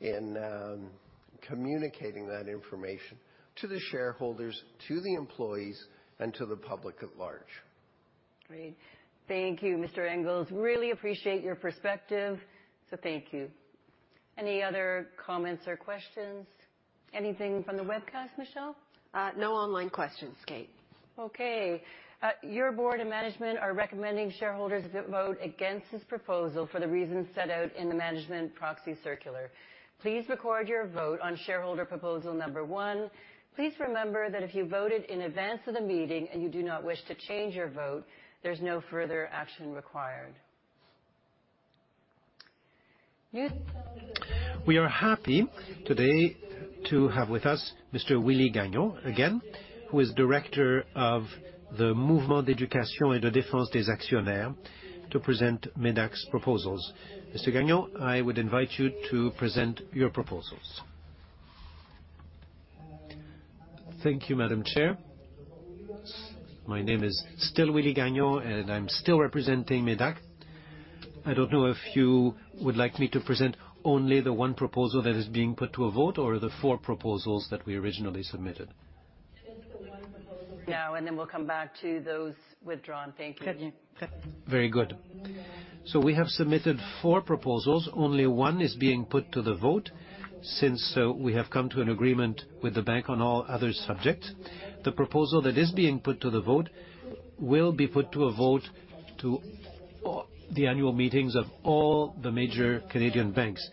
in communicating that information to the shareholders, to the employees, and to the public at large. Great. Thank you, Mr. Engels. Really appreciate your perspective. Thank you. Any other comments or questions? Anything from the webcast, Michelle? No online questions, Kate. Okay. Your Board of Management are recommending shareholders vote against this proposal for the reasons set out in the Management Proxy Circular. Please record your vote on shareholder proposal number one. Please remember that if you voted in advance of the meeting and you do not wish to change your vote, there is no further action required. We are happy today to have with us Mr. Willie Gagnon again, who is Director of the Mouvement d'Éducation et de Défense des Actionnaires, to present MEDAC's proposals. Mr. Gagnon, I would invite you to present your proposals. Thank you, Madam Chair. My name is still Willie Gagnon, and I'm still representing MEDAC. I don't know if you would like me to present only the one proposal that is being put to a vote or the four proposals that we originally submitted. No, and then we'll come back to those withdrawn. Thank you. Very good. We have submitted four proposals. Only one is being put to the vote since we have come to an agreement with the bank on all other subjects. The proposal that is being put to the vote will be put to a vote to the annual meetings of all the major Canadian banks.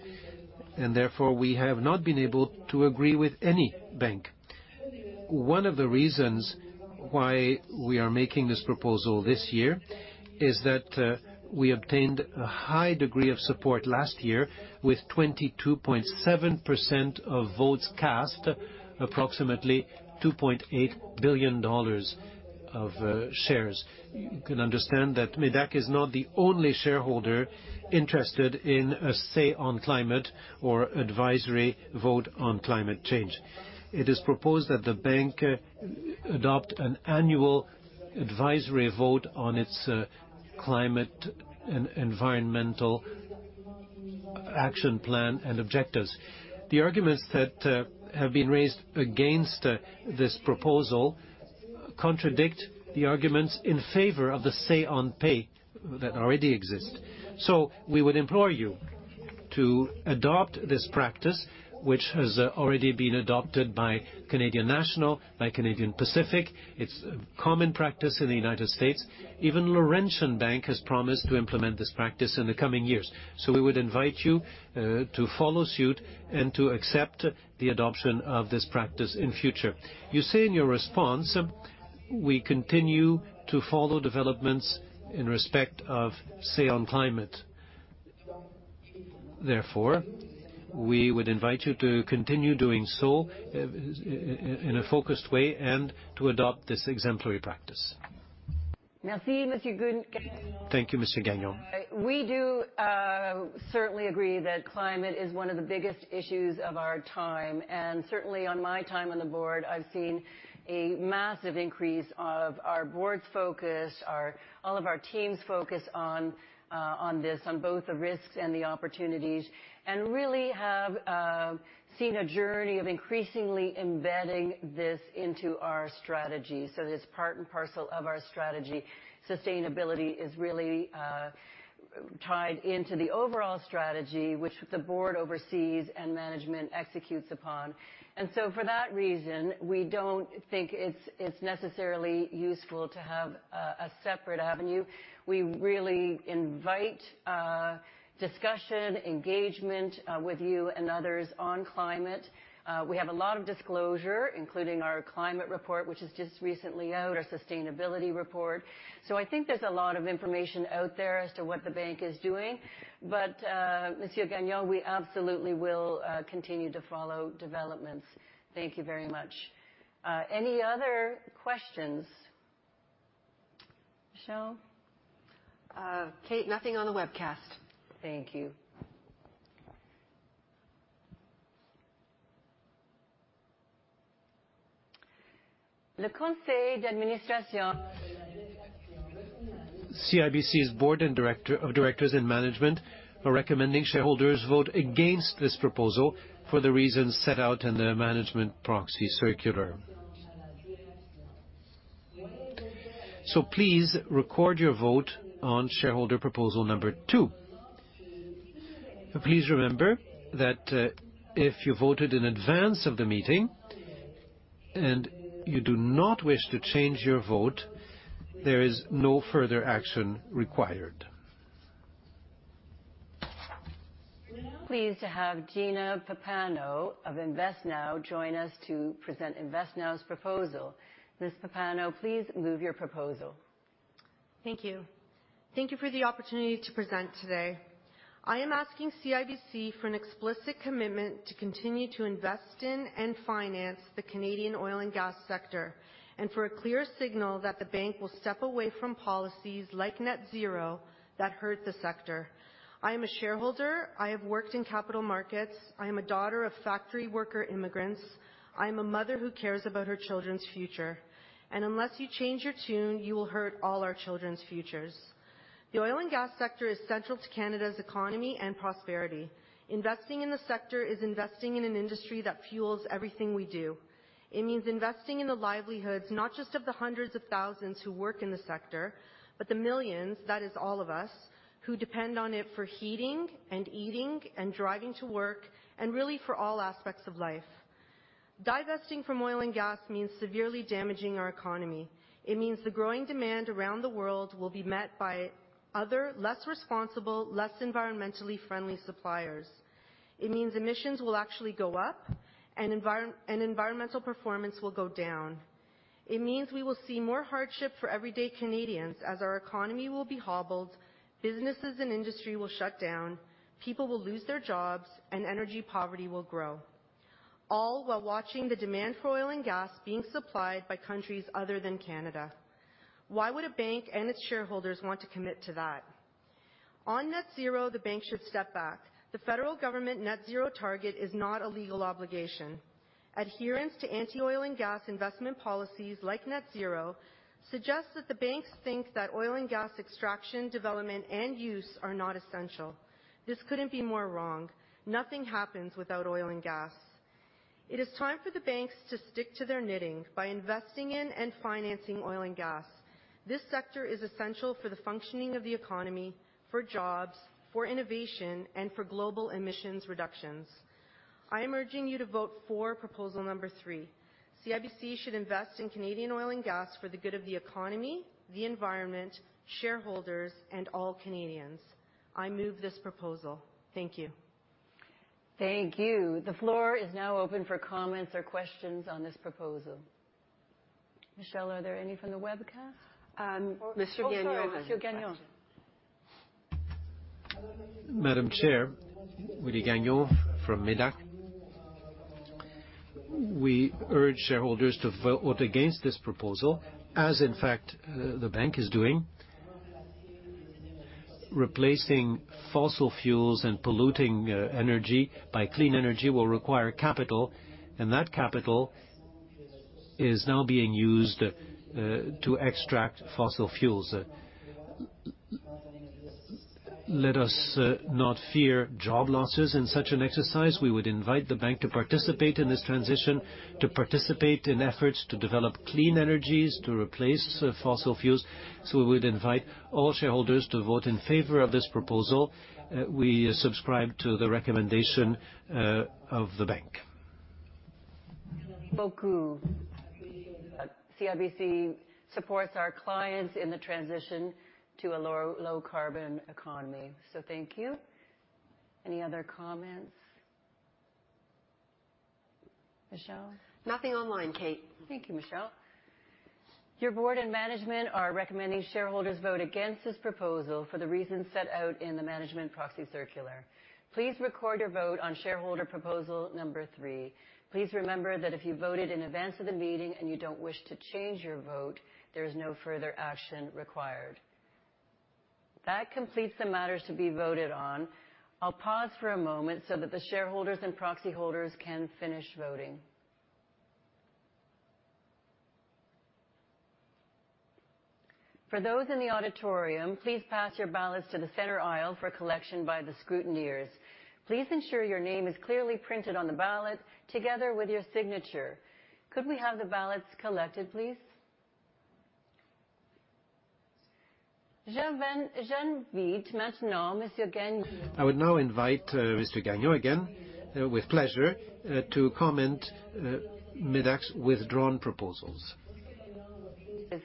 Therefore, we have not been able to agree with any bank. One of the reasons why we are making this proposal this year is that we obtained a high degree of support last year with 22.7% of votes cast, approximately 2.8 billion dollars of shares. You can understand that MEDAC is not the only shareholder interested in a say on climate or advisory vote on climate change. It is proposed that the bank adopt an annual advisory vote on its climate and environmental action plan and objectives. The arguments that have been raised against this proposal contradict the arguments in favor of the say on pay that already exists. We would implore you to adopt this practice, which has already been adopted by Canadian National Railway, by Canadian Pacific Railway. It is a common practice in the United States. Even Laurentian Bank of Canada has promised to implement this practice in the coming years. We would invite you to follow suit and to accept the adoption of this practice in future. You say in your response, "We continue to follow developments in respect of say on climate." Therefore, we would invite you to continue doing so in a focused way and to adopt this exemplary practice. Merci, Monsieur Gagnon. Thank you, Mr. Gagnon. We do certainly agree that climate is one of the biggest issues of our time. Certainly, on my time on the board, I have seen a massive increase of our board's focus, all of our team's focus on this, on both the risks and the opportunities, and really have seen a journey of increasingly embedding this into our strategy. It is part and parcel of our strategy. Sustainability is really tied into the overall strategy, which the board oversees and management executes upon. For that reason, we do not think it is necessarily useful to have a separate avenue. We really invite discussion, engagement with you and others on climate. We have a lot of disclosure, including our climate report, which is just recently out, our sustainability report. I think there is a lot of information out there as to what the bank is doing. Monsieur Gagnon, we absolutely will continue to follow developments. Thank you very much. Any other questions? Michelle? Kate, nothing on the webcast. Thank you. Le Conseil d'Administration. CIBC's Board of Directors and Management are recommending shareholders vote against this proposal for the reasons set out in the Management Proxy Circular. Please record your vote on shareholder proposal number two. Please remember that if you voted in advance of the meeting and you do not wish to change your vote, there is no further action required. Pleased to have Gina Pappano of InvestNow join us to present InvestNow's proposal. Ms. Pappano, please move your proposal. Thank you. Thank you for the opportunity to present today. I am asking CIBC for an explicit commitment to continue to invest in and finance the Canadian oil and gas sector and for a clear signal that the bank will step away from policies like net zero that hurt the sector. I am a shareholder. I have worked in capital markets. I am a daughter of factory worker immigrants. I am a mother who cares about her children's future. Unless you change your tune, you will hurt all our children's futures. The oil and gas sector is central to Canada's economy and prosperity. Investing in the sector is investing in an industry that fuels everything we do. It means investing in the livelihoods, not just of the hundreds of thousands who work in the sector, but the millions—that is, all of us—who depend on it for heating and eating and driving to work and really for all aspects of life. Divesting from oil and gas means severely damaging our economy. It means the growing demand around the world will be met by other, less responsible, less environmentally friendly suppliers. It means emissions will actually go up and environmental performance will go down. It means we will see more hardship for everyday Canadians as our economy will be hobbled, businesses and industry will shut down, people will lose their jobs, and energy poverty will grow, all while watching the demand for oil and gas being supplied by countries other than Canada. Why would a bank and its shareholders want to commit to that? On net zero, the bank should step back. The federal government net zero target is not a legal obligation. Adherence to anti-oil and gas investment policies like net zero suggests that the banks think that oil and gas extraction, development, and use are not essential. This could not be more wrong. Nothing happens without oil and gas. It is time for the banks to stick to their knitting by investing in and financing oil and gas. This sector is essential for the functioning of the economy, for jobs, for innovation, and for global emissions reductions. I am urging you to vote for proposal number three. CIBC should invest in Canadian oil and gas for the good of the economy, the environment, shareholders, and all Canadians. I move this proposal. Thank you. Thank you. The floor is now open for comments or questions on this proposal. Michelle, are there any from the webcast? Mr. Gagnon. Mr. Gagnon. Madam Chair, Willie Gagnon from MEDAC. We urge shareholders to vote against this proposal, as in fact the bank is doing. Replacing fossil fuels and polluting energy by clean energy will require capital, and that capital is now being used to extract fossil fuels. Let us not fear job losses in such an exercise. We would invite the bank to participate in this transition, to participate in efforts to develop clean energies, to replace fossil fuels. We would invite all shareholders to vote in favor of this proposal. We subscribe to the recommendation of the bank. CIBC supports our clients in the transition to a low-carbon economy. Thank you. Any other comments? Michelle? Nothing online, Kate. Thank you, Michelle. Your Board and Management are recommending shareholders vote against this proposal for the reasons set out in the Management Proxy Circular. Please record your vote on shareholder proposal number three. Please remember that if you voted in advance of the meeting and you don't wish to change your vote, there is no further action required. That completes the matters to be voted on. I'll pause for a moment so that the shareholders and proxy holders can finish voting. For those in the auditorium, please pass your ballots to the center aisle for collection by the scrutineers. Please ensure your name is clearly printed on the ballot together with your signature. Could we have the ballots collected, please? Je vote maintenant, Monsieur. I would now invite Mr. Gagnon again, with pleasure, to comment on MEDAC's withdrawn proposals.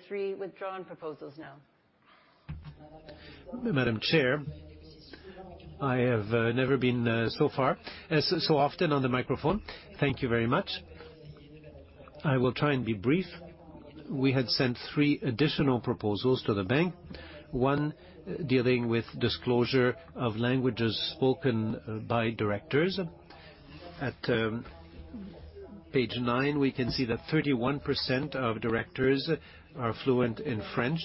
Three withdrawn proposals now. Madam Chair, I have never been so often on the microphone. Thank you very much. I will try and be brief. We had sent three additional proposals to the bank, one dealing with disclosure of languages spoken by directors. At page nine, we can see that 31% of directors are fluent in French.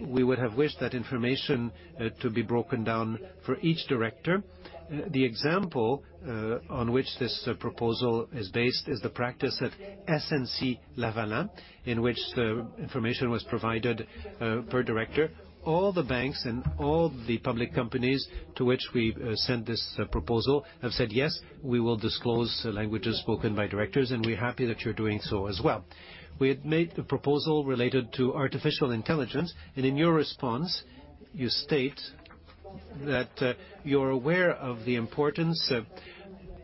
We would have wished that information to be broken down for each director. The example on which this proposal is based is the practice at SNC-Lavalin, in which information was provided per director. All the banks and all the public companies to which we sent this proposal have said, "Yes, we will disclose languages spoken by directors," and we're happy that you're doing so as well. We had made a proposal related to artificial intelligence, and in your response, you state that you're aware of the importance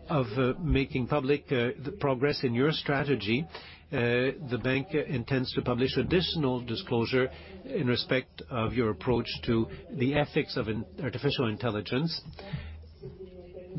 of making public the progress in your strategy. The bank intends to publish additional disclosure in respect of your approach to the ethics of artificial intelligence.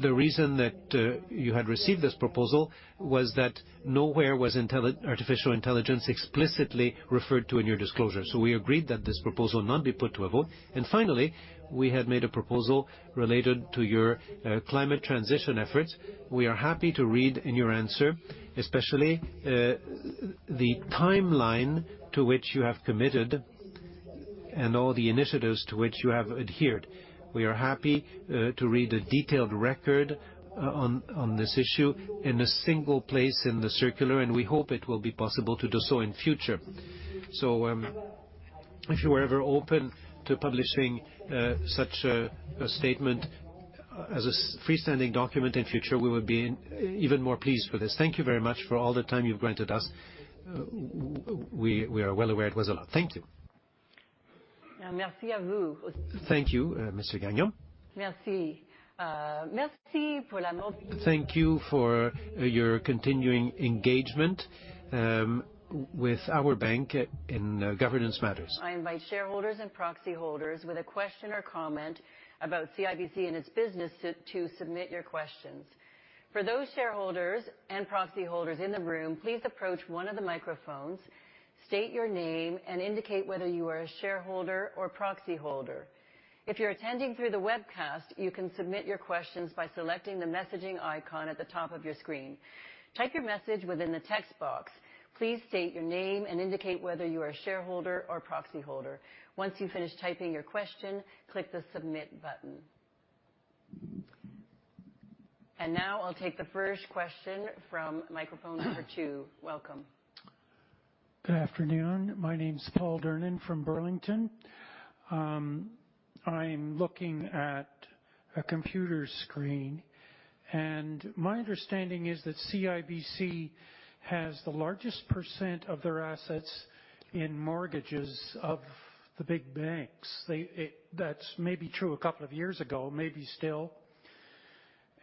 The reason that you had received this proposal was that nowhere was artificial intelligence explicitly referred to in your disclosure. We agreed that this proposal not be put to a vote. Finally, we had made a proposal related to your climate transition efforts. We are happy to read in your answer, especially the timeline to which you have committed and all the initiatives to which you have adhered. We are happy to read the detailed record on this issue in a single place in the circular, and we hope it will be possible to do so in future. If you were ever open to publishing such a statement as a freestanding document in future, we would be even more pleased for this. Thank you very much for all the time you've granted us. We are well aware it was a lot. Thank you. Merci à vous. Thank you, Mr. Gagnon. Merci. Merci pour la. Thank you for your continuing engagement with our bank in governance matters. I invite shareholders and proxy holders with a question or comment about CIBC and its business to submit your questions. For those shareholders and proxy holders in the room, please approach one of the microphones, state your name, and indicate whether you are a shareholder or proxy holder. If you're attending through the webcast, you can submit your questions by selecting the messaging icon at the top of your screen. Type your message within the text box. Please state your name and indicate whether you are a shareholder or proxy holder. Once you finish typing your question, click the submit button. Now I'll take the first question from microphone number two. Welcome. Good afternoon. My name's [Paul Derian] from Burlington. I'm looking at a computer screen, and my understanding is that CIBC has the largest % of their assets in mortgages of the big banks. That may be true a couple of years ago, maybe still.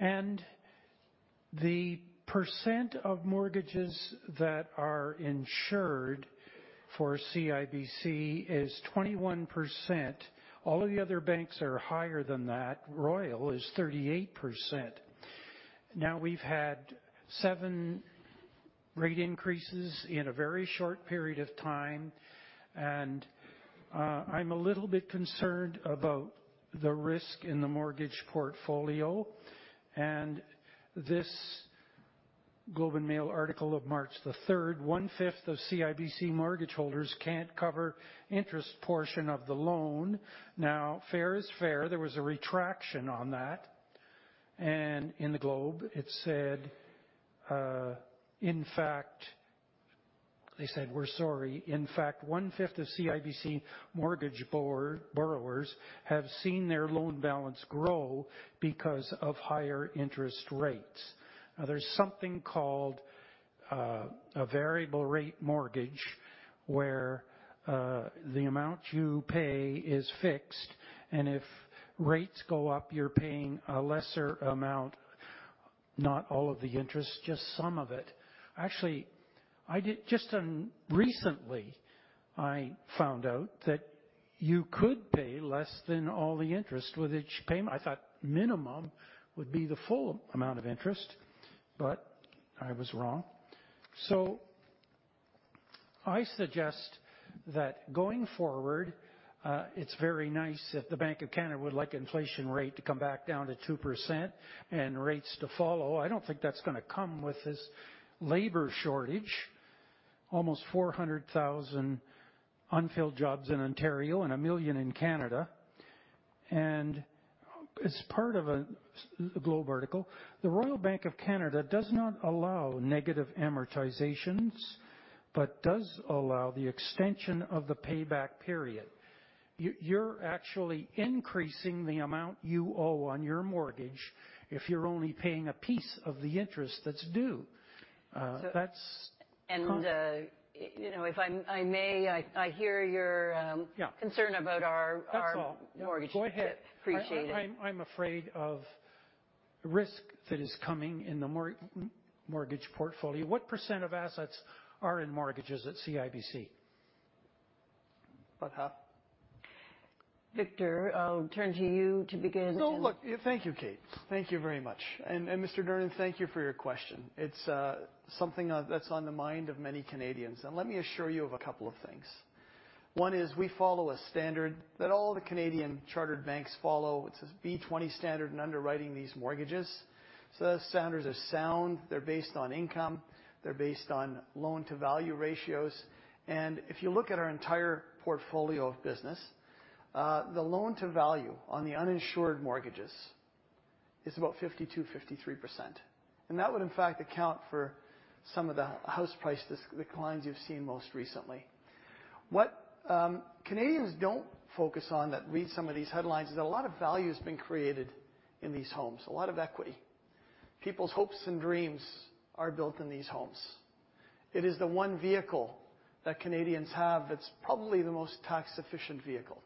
The % of mortgages that are insured for CIBC is 21%. All of the other banks are higher than that. Royal is 38%. Now we've had seven rate increases in a very short period of time, and I'm a little bit concerned about the risk in the mortgage portfolio. This Globe and Mail article of March the 3rd, one-fifth of CIBC mortgage holders can't cover the interest portion of the loan. Now, fair is fair. There was a retraction on that. In the Globe, it said, in fact, they said, "We're sorry." In fact, one-fifth of CIBC mortgage borrowers have seen their loan balance grow because of higher interest rates. Now, there's something called a variable rate mortgage where the amount you pay is fixed, and if rates go up, you're paying a lesser amount, not all of the interest, just some of it. Actually, just recently, I found out that you could pay less than all the interest with each payment. I thought minimum would be the full amount of interest, but I was wrong. I suggest that going forward, it's very nice that the Bank of Canada would like inflation rate to come back down to 2% and rates to follow. I don't think that's going to come with this labor shortage. Almost 400,000 unfilled jobs in Ontario and 1 million in Canada. As part of the Globe article, the Royal Bank of Canada does not allow negative amortizations but does allow the extension of the payback period. You're actually increasing the amount you owe on your mortgage if you're only paying a piece of the interest that's due. That's. If I may, I hear your concern about our mortgage debt. Appreciate it. I'm afraid of risk that is coming in the mortgage portfolio. What % of assets are in mortgages at CIBC? About half. Victor, I'll turn to you to begin. No, look, thank you, Kate. Thank you very much. And Mr. [Derian], thank you for your question. It's something that's on the mind of many Canadians. Let me assure you of a couple of things. One is we follow a standard that all the Canadian chartered banks follow. It's a B20 standard in underwriting these mortgages. Those standards are sound. They're based on income. They're based on loan-to-value ratios. If you look at our entire portfolio of business, the loan-to-value on the uninsured mortgages is about 52-53%. That would, in fact, account for some of the house price declines you have seen most recently. What Canadians do not focus on that reads some of these headlines is that a lot of value has been created in these homes, a lot of equity. People's hopes and dreams are built in these homes. It is the one vehicle that Canadians have that is probably the most tax-efficient vehicle.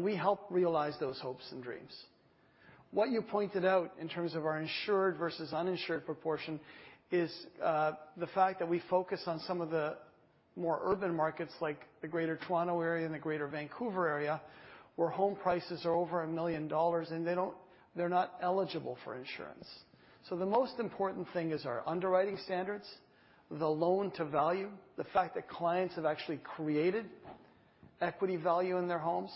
We help realize those hopes and dreams. What you pointed out in terms of our insured versus uninsured proportion is the fact that we focus on some of the more urban markets like the Greater Toronto Area and the Greater Vancouver Area, where home prices are over 1 million dollars and they are not eligible for insurance. The most important thing is our underwriting standards, the loan-to-value, the fact that clients have actually created equity value in their homes.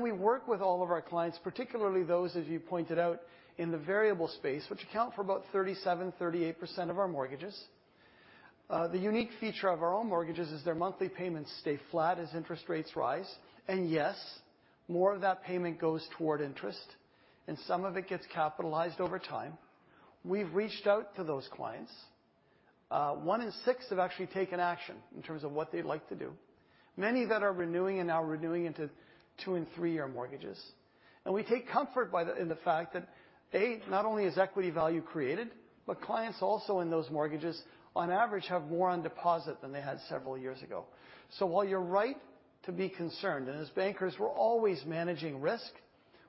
We work with all of our clients, particularly those, as you pointed out, in the variable space, which account for about 37-38% of our mortgages. The unique feature of our own mortgages is their monthly payments stay flat as interest rates rise. Yes, more of that payment goes toward interest, and some of it gets capitalized over time. We have reached out to those clients. One in six have actually taken action in terms of what they would like to do. Many that are renewing are now renewing into two and three-year mortgages. We take comfort in the fact that, A, not only is equity value created, but clients also in those mortgages, on average, have more on deposit than they had several years ago. While you're right to be concerned, and as bankers, we're always managing risk,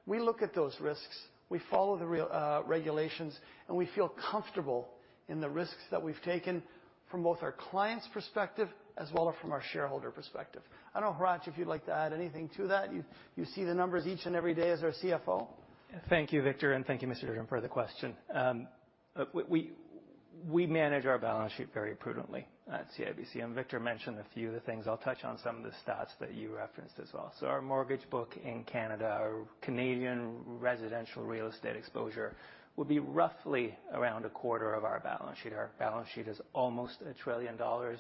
we look at those risks, we follow the regulations, and we feel comfortable in the risks that we've taken from both our clients' perspective as well as from our shareholder perspective. I don't know, Hratch, if you'd like to add anything to that. You see the numbers each and every day as our CFO. Thank you, Victor, and thank you, Mr. [Derian], for the question. We manage our balance sheet very prudently at CIBC. Victor mentioned a few of the things. I'll touch on some of the stats that you referenced as well. Our mortgage book in Canada, our Canadian residential real estate exposure, would be roughly around a quarter of our balance sheet. Our balance sheet is almost 1 trillion dollars,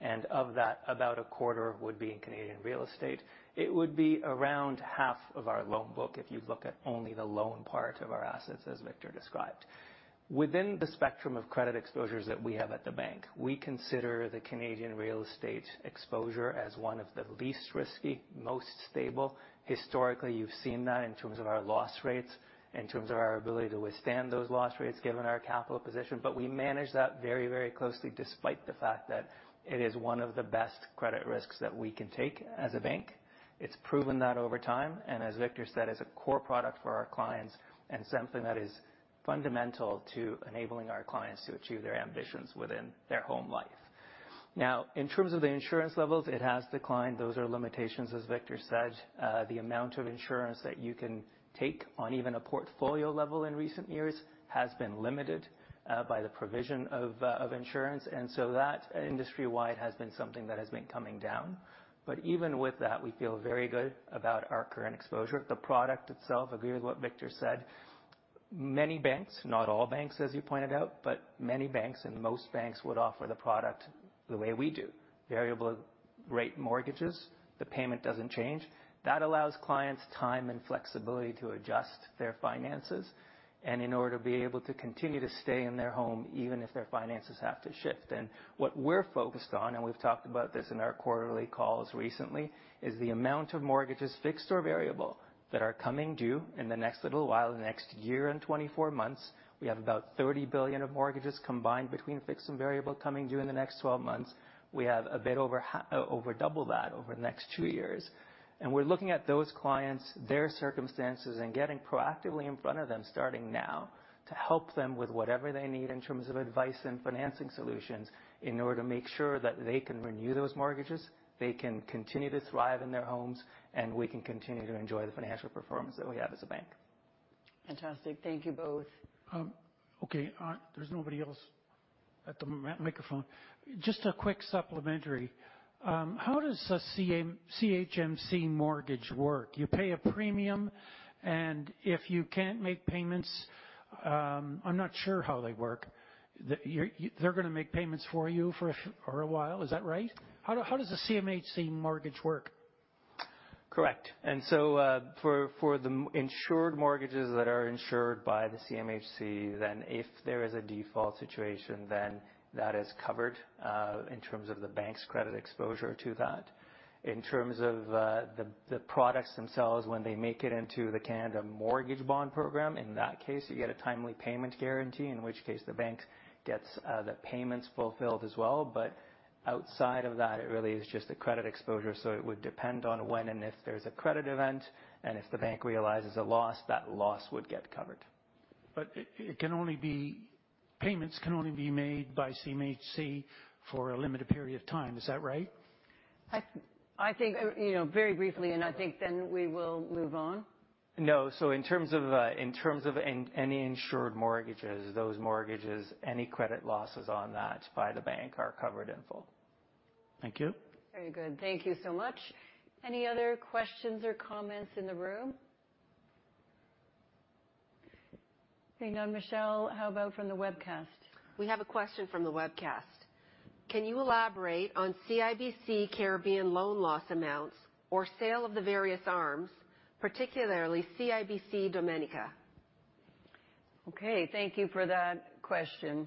and of that, about a quarter would be in Canadian real estate. It would be around half of our loan book if you look at only the loan part of our assets, as Victor described. Within the spectrum of credit exposures that we have at the bank, we consider the Canadian real estate exposure as one of the least risky, most stable. Historically, you've seen that in terms of our loss rates, in terms of our ability to withstand those loss rates given our capital position. We manage that very, very closely despite the fact that it is one of the best credit risks that we can take as a bank. It's proven that over time, and as Victor said, it's a core product for our clients and something that is fundamental to enabling our clients to achieve their ambitions within their home life. Now, in terms of the insurance levels, it has declined. Those are limitations, as Victor said. The amount of insurance that you can take on even a portfolio level in recent years has been limited by the provision of insurance. That, industry-wide, has been something that has been coming down. Even with that, we feel very good about our current exposure. The product itself, I agree with what Victor said. Many banks, not all banks, as you pointed out, but many banks and most banks would offer the product the way we do. Variable rate mortgages, the payment doesn't change. That allows clients time and flexibility to adjust their finances, and in order to be able to continue to stay in their home even if their finances have to shift. What we're focused on, and we've talked about this in our quarterly calls recently, is the amount of mortgages fixed or variable that are coming due in the next little while, the next year and 24 months. We have about 30 billion of mortgages combined between fixed and variable coming due in the next 12 months. We have a bit over double that over the next two years. We are looking at those clients, their circumstances, and getting proactively in front of them starting now to help them with whatever they need in terms of advice and financing solutions in order to make sure that they can renew those mortgages, they can continue to thrive in their homes, and we can continue to enjoy the financial performance that we have as a bank. Fantastic. Thank you both. Okay. There is nobody else at the microphone. Just a quick supplementary. How does a CMHC mortgage work? You pay a premium, and if you cannot make payments, I am not sure how they work. They are going to make payments for you for a while. Is that right? How does a CMHC mortgage work? Correct. For the insured mortgages that are insured by the CMHC, if there is a default situation, that is covered in terms of the bank's credit exposure to that. In terms of the products themselves, when they make it into the Canada Mortgage Bond Program, in that case, you get a timely payment guarantee, in which case the bank gets the payments fulfilled as well. Outside of that, it really is just a credit exposure. It would depend on when and if there is a credit event, and if the bank realizes a loss, that loss would get covered. Payments can only be made by CMHC for a limited period of time. Is that right? I think very briefly, and I think we will move on. No. In terms of any insured mortgages, those mortgages, any credit losses on that by the bank are covered in full. Thank you. Very good. Thank you so much. Any other questions or comments in the room? Okay. Now, Michelle, how about from the webcast? We have a question from the webcast. Can you elaborate on CIBC Caribbean loan loss amounts or sale of the various arms, particularly CIBC Dominica? Okay. Thank you for that question.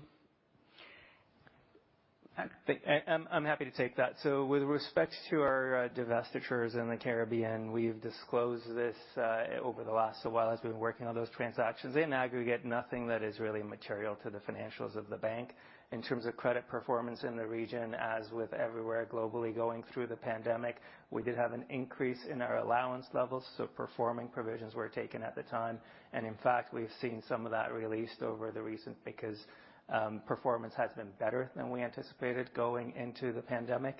I'm happy to take that. With respect to our divestitures in the Caribbean, we've disclosed this over the last while, as we've been working on those transactions. In aggregate, nothing that is really material to the financials of the bank. In terms of credit performance in the region, as with everywhere globally going through the pandemic, we did have an increase in our allowance levels. Performing provisions were taken at the time. In fact, we've seen some of that released over the recent period because performance has been better than we anticipated going into the pandemic.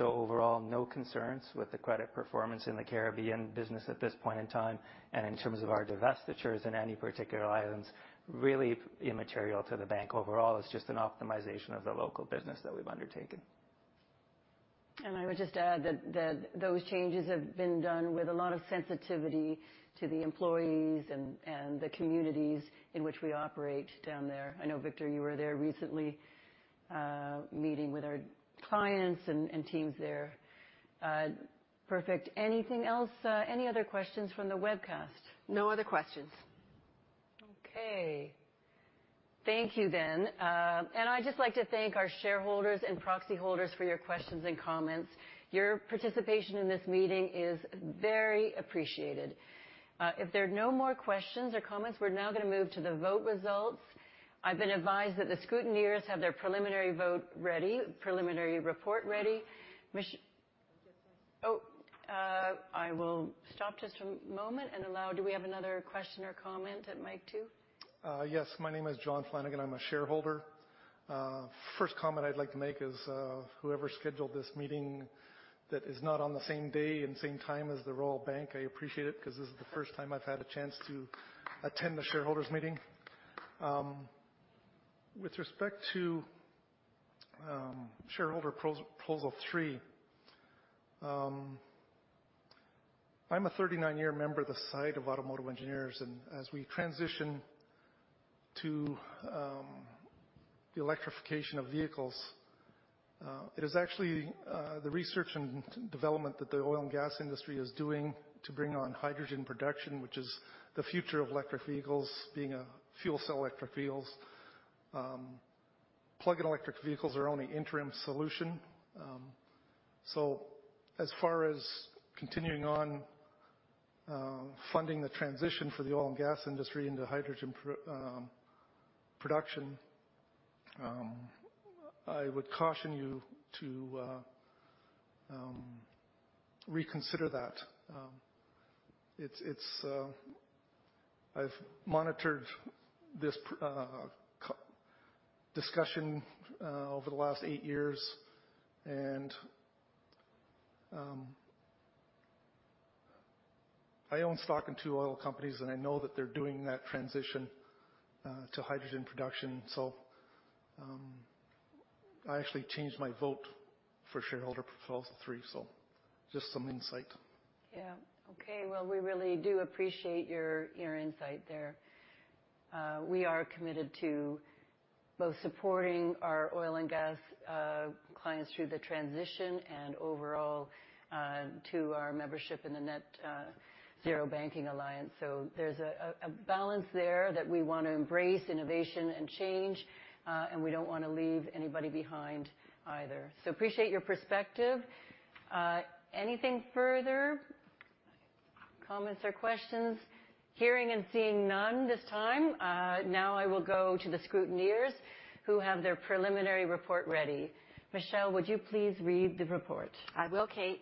Overall, no concerns with the credit performance in the Caribbean business at this point in time. In terms of our divestitures in any particular islands, really immaterial to the bank overall. It's just an optimization of the local business that we've undertaken. I would just add that those changes have been done with a lot of sensitivity to the employees and the communities in which we operate down there. I know, Victor, you were there recently meeting with our clients and teams there. Perfect. Anything else? Any other questions from the webcast? No other questions. Thank you then. I'd just like to thank our shareholders and proxy holders for your questions and comments. Your participation in this meeting is very appreciated. If there are no more questions or comments, we're now going to move to the vote results. I've been advised that the scrutineers have their preliminary vote ready, preliminary report ready. I will stop just a moment and allow, do we have another question or comment at mic two? Yes. My name is John Flanagan. I'm a shareholder. First comment I'd like to make is whoever scheduled this meeting that is not on the same day and same time as the Royal Bank, I appreciate it because this is the first time I've had a chance to attend the shareholders' meeting. With respect to shareholder proposal three, I'm a 39-year member of the Society of Automotive Engineers. As we transition to the electrification of vehicles, it is actually the research and development that the oil and gas industry is doing to bring on hydrogen production, which is the future of electric vehicles being fuel cell electric vehicles. Plug-in electric vehicles are only an interim solution. As far as continuing on funding the transition for the oil and gas industry into hydrogen production, I would caution you to reconsider that. I have monitored this discussion over the last eight years, and I own stock in two oil companies, and I know that they are doing that transition to hydrogen production. I actually changed my vote for shareholder proposal three. Just some insight. Yeah. Okay. We really do appreciate your insight there. We are committed to both supporting our oil and gas clients through the transition and overall to our membership in the Net Zero Banking Alliance. There is a balance there that we want to embrace innovation and change, and we do not want to leave anybody behind either. Appreciate your perspective. Anything further? Comments or questions? Hearing and seeing none this time. Now I will go to the scrutineers who have their preliminary report ready. Michelle, would you please read the report? I will, Kate.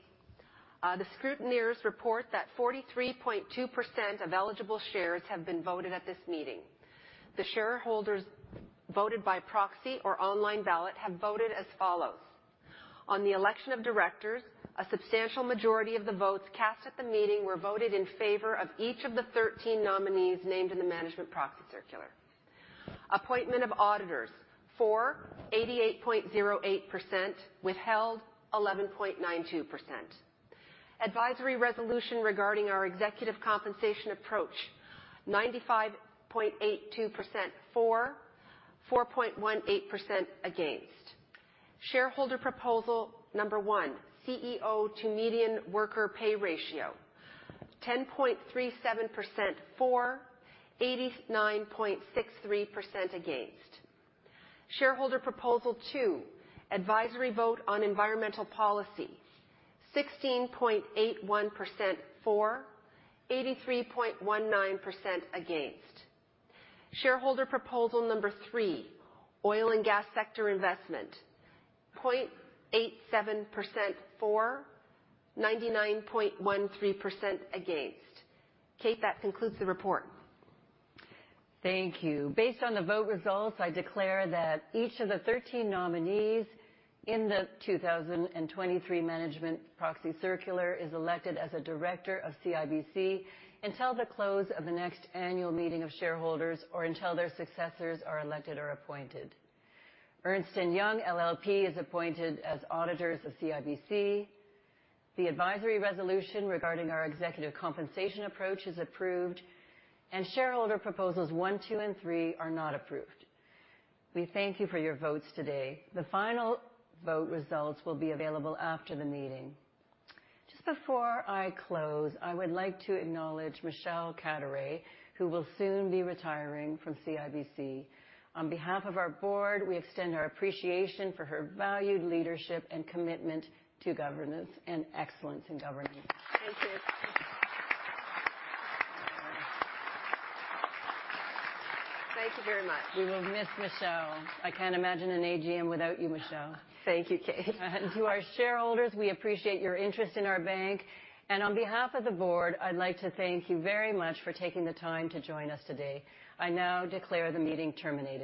The scrutineers report that 43.2% of eligible shares have been voted at this meeting. The shareholders voted by proxy or online ballot have voted as follows. On the election of directors, a substantial majority of the votes cast at the meeting were voted in favor of each of the 13 nominees named in the management proxy circular. Appointment of auditors, for 88.08%, withheld 11.92%. Advisory resolution regarding our executive compensation approach, 95.82% for, 4.18% against. Shareholder proposal number one, CEO to median worker pay ratio, 10.37% for, 89.63% against. Shareholder proposal two, advisory vote on environmental policy, 16.81% for, 83.19% against. Shareholder proposal number three, oil and gas sector investment, 0.87% for, 99.13% against. Kate, that concludes the report. Thank you. Based on the vote results, I declare that each of the 13 nominees in the 2023 management proxy circular is elected as a director of CIBC until the close of the next annual meeting of shareholders or until their successors are elected or appointed. Ernst & Young LLP is appointed as auditors of CIBC. The advisory resolution regarding our executive compensation approach is approved, and shareholder proposals one, two, and three are not approved. We thank you for your votes today. The final vote results will be available after the meeting. Just before I close, I would like to acknowledge Michelle Caturay, who will soon be retiring from CIBC. On behalf of our board, we extend our appreciation for her valued leadership and commitment to governance and excellence in governance. Thank you. Thank you very much. We will miss Michelle. I can't imagine an AGM without you, Michelle. Thank you, Kate. To our shareholders, we appreciate your interest in our bank. On behalf of the board, I'd like to thank you very much for taking the time to join us today. I now declare the meeting terminated.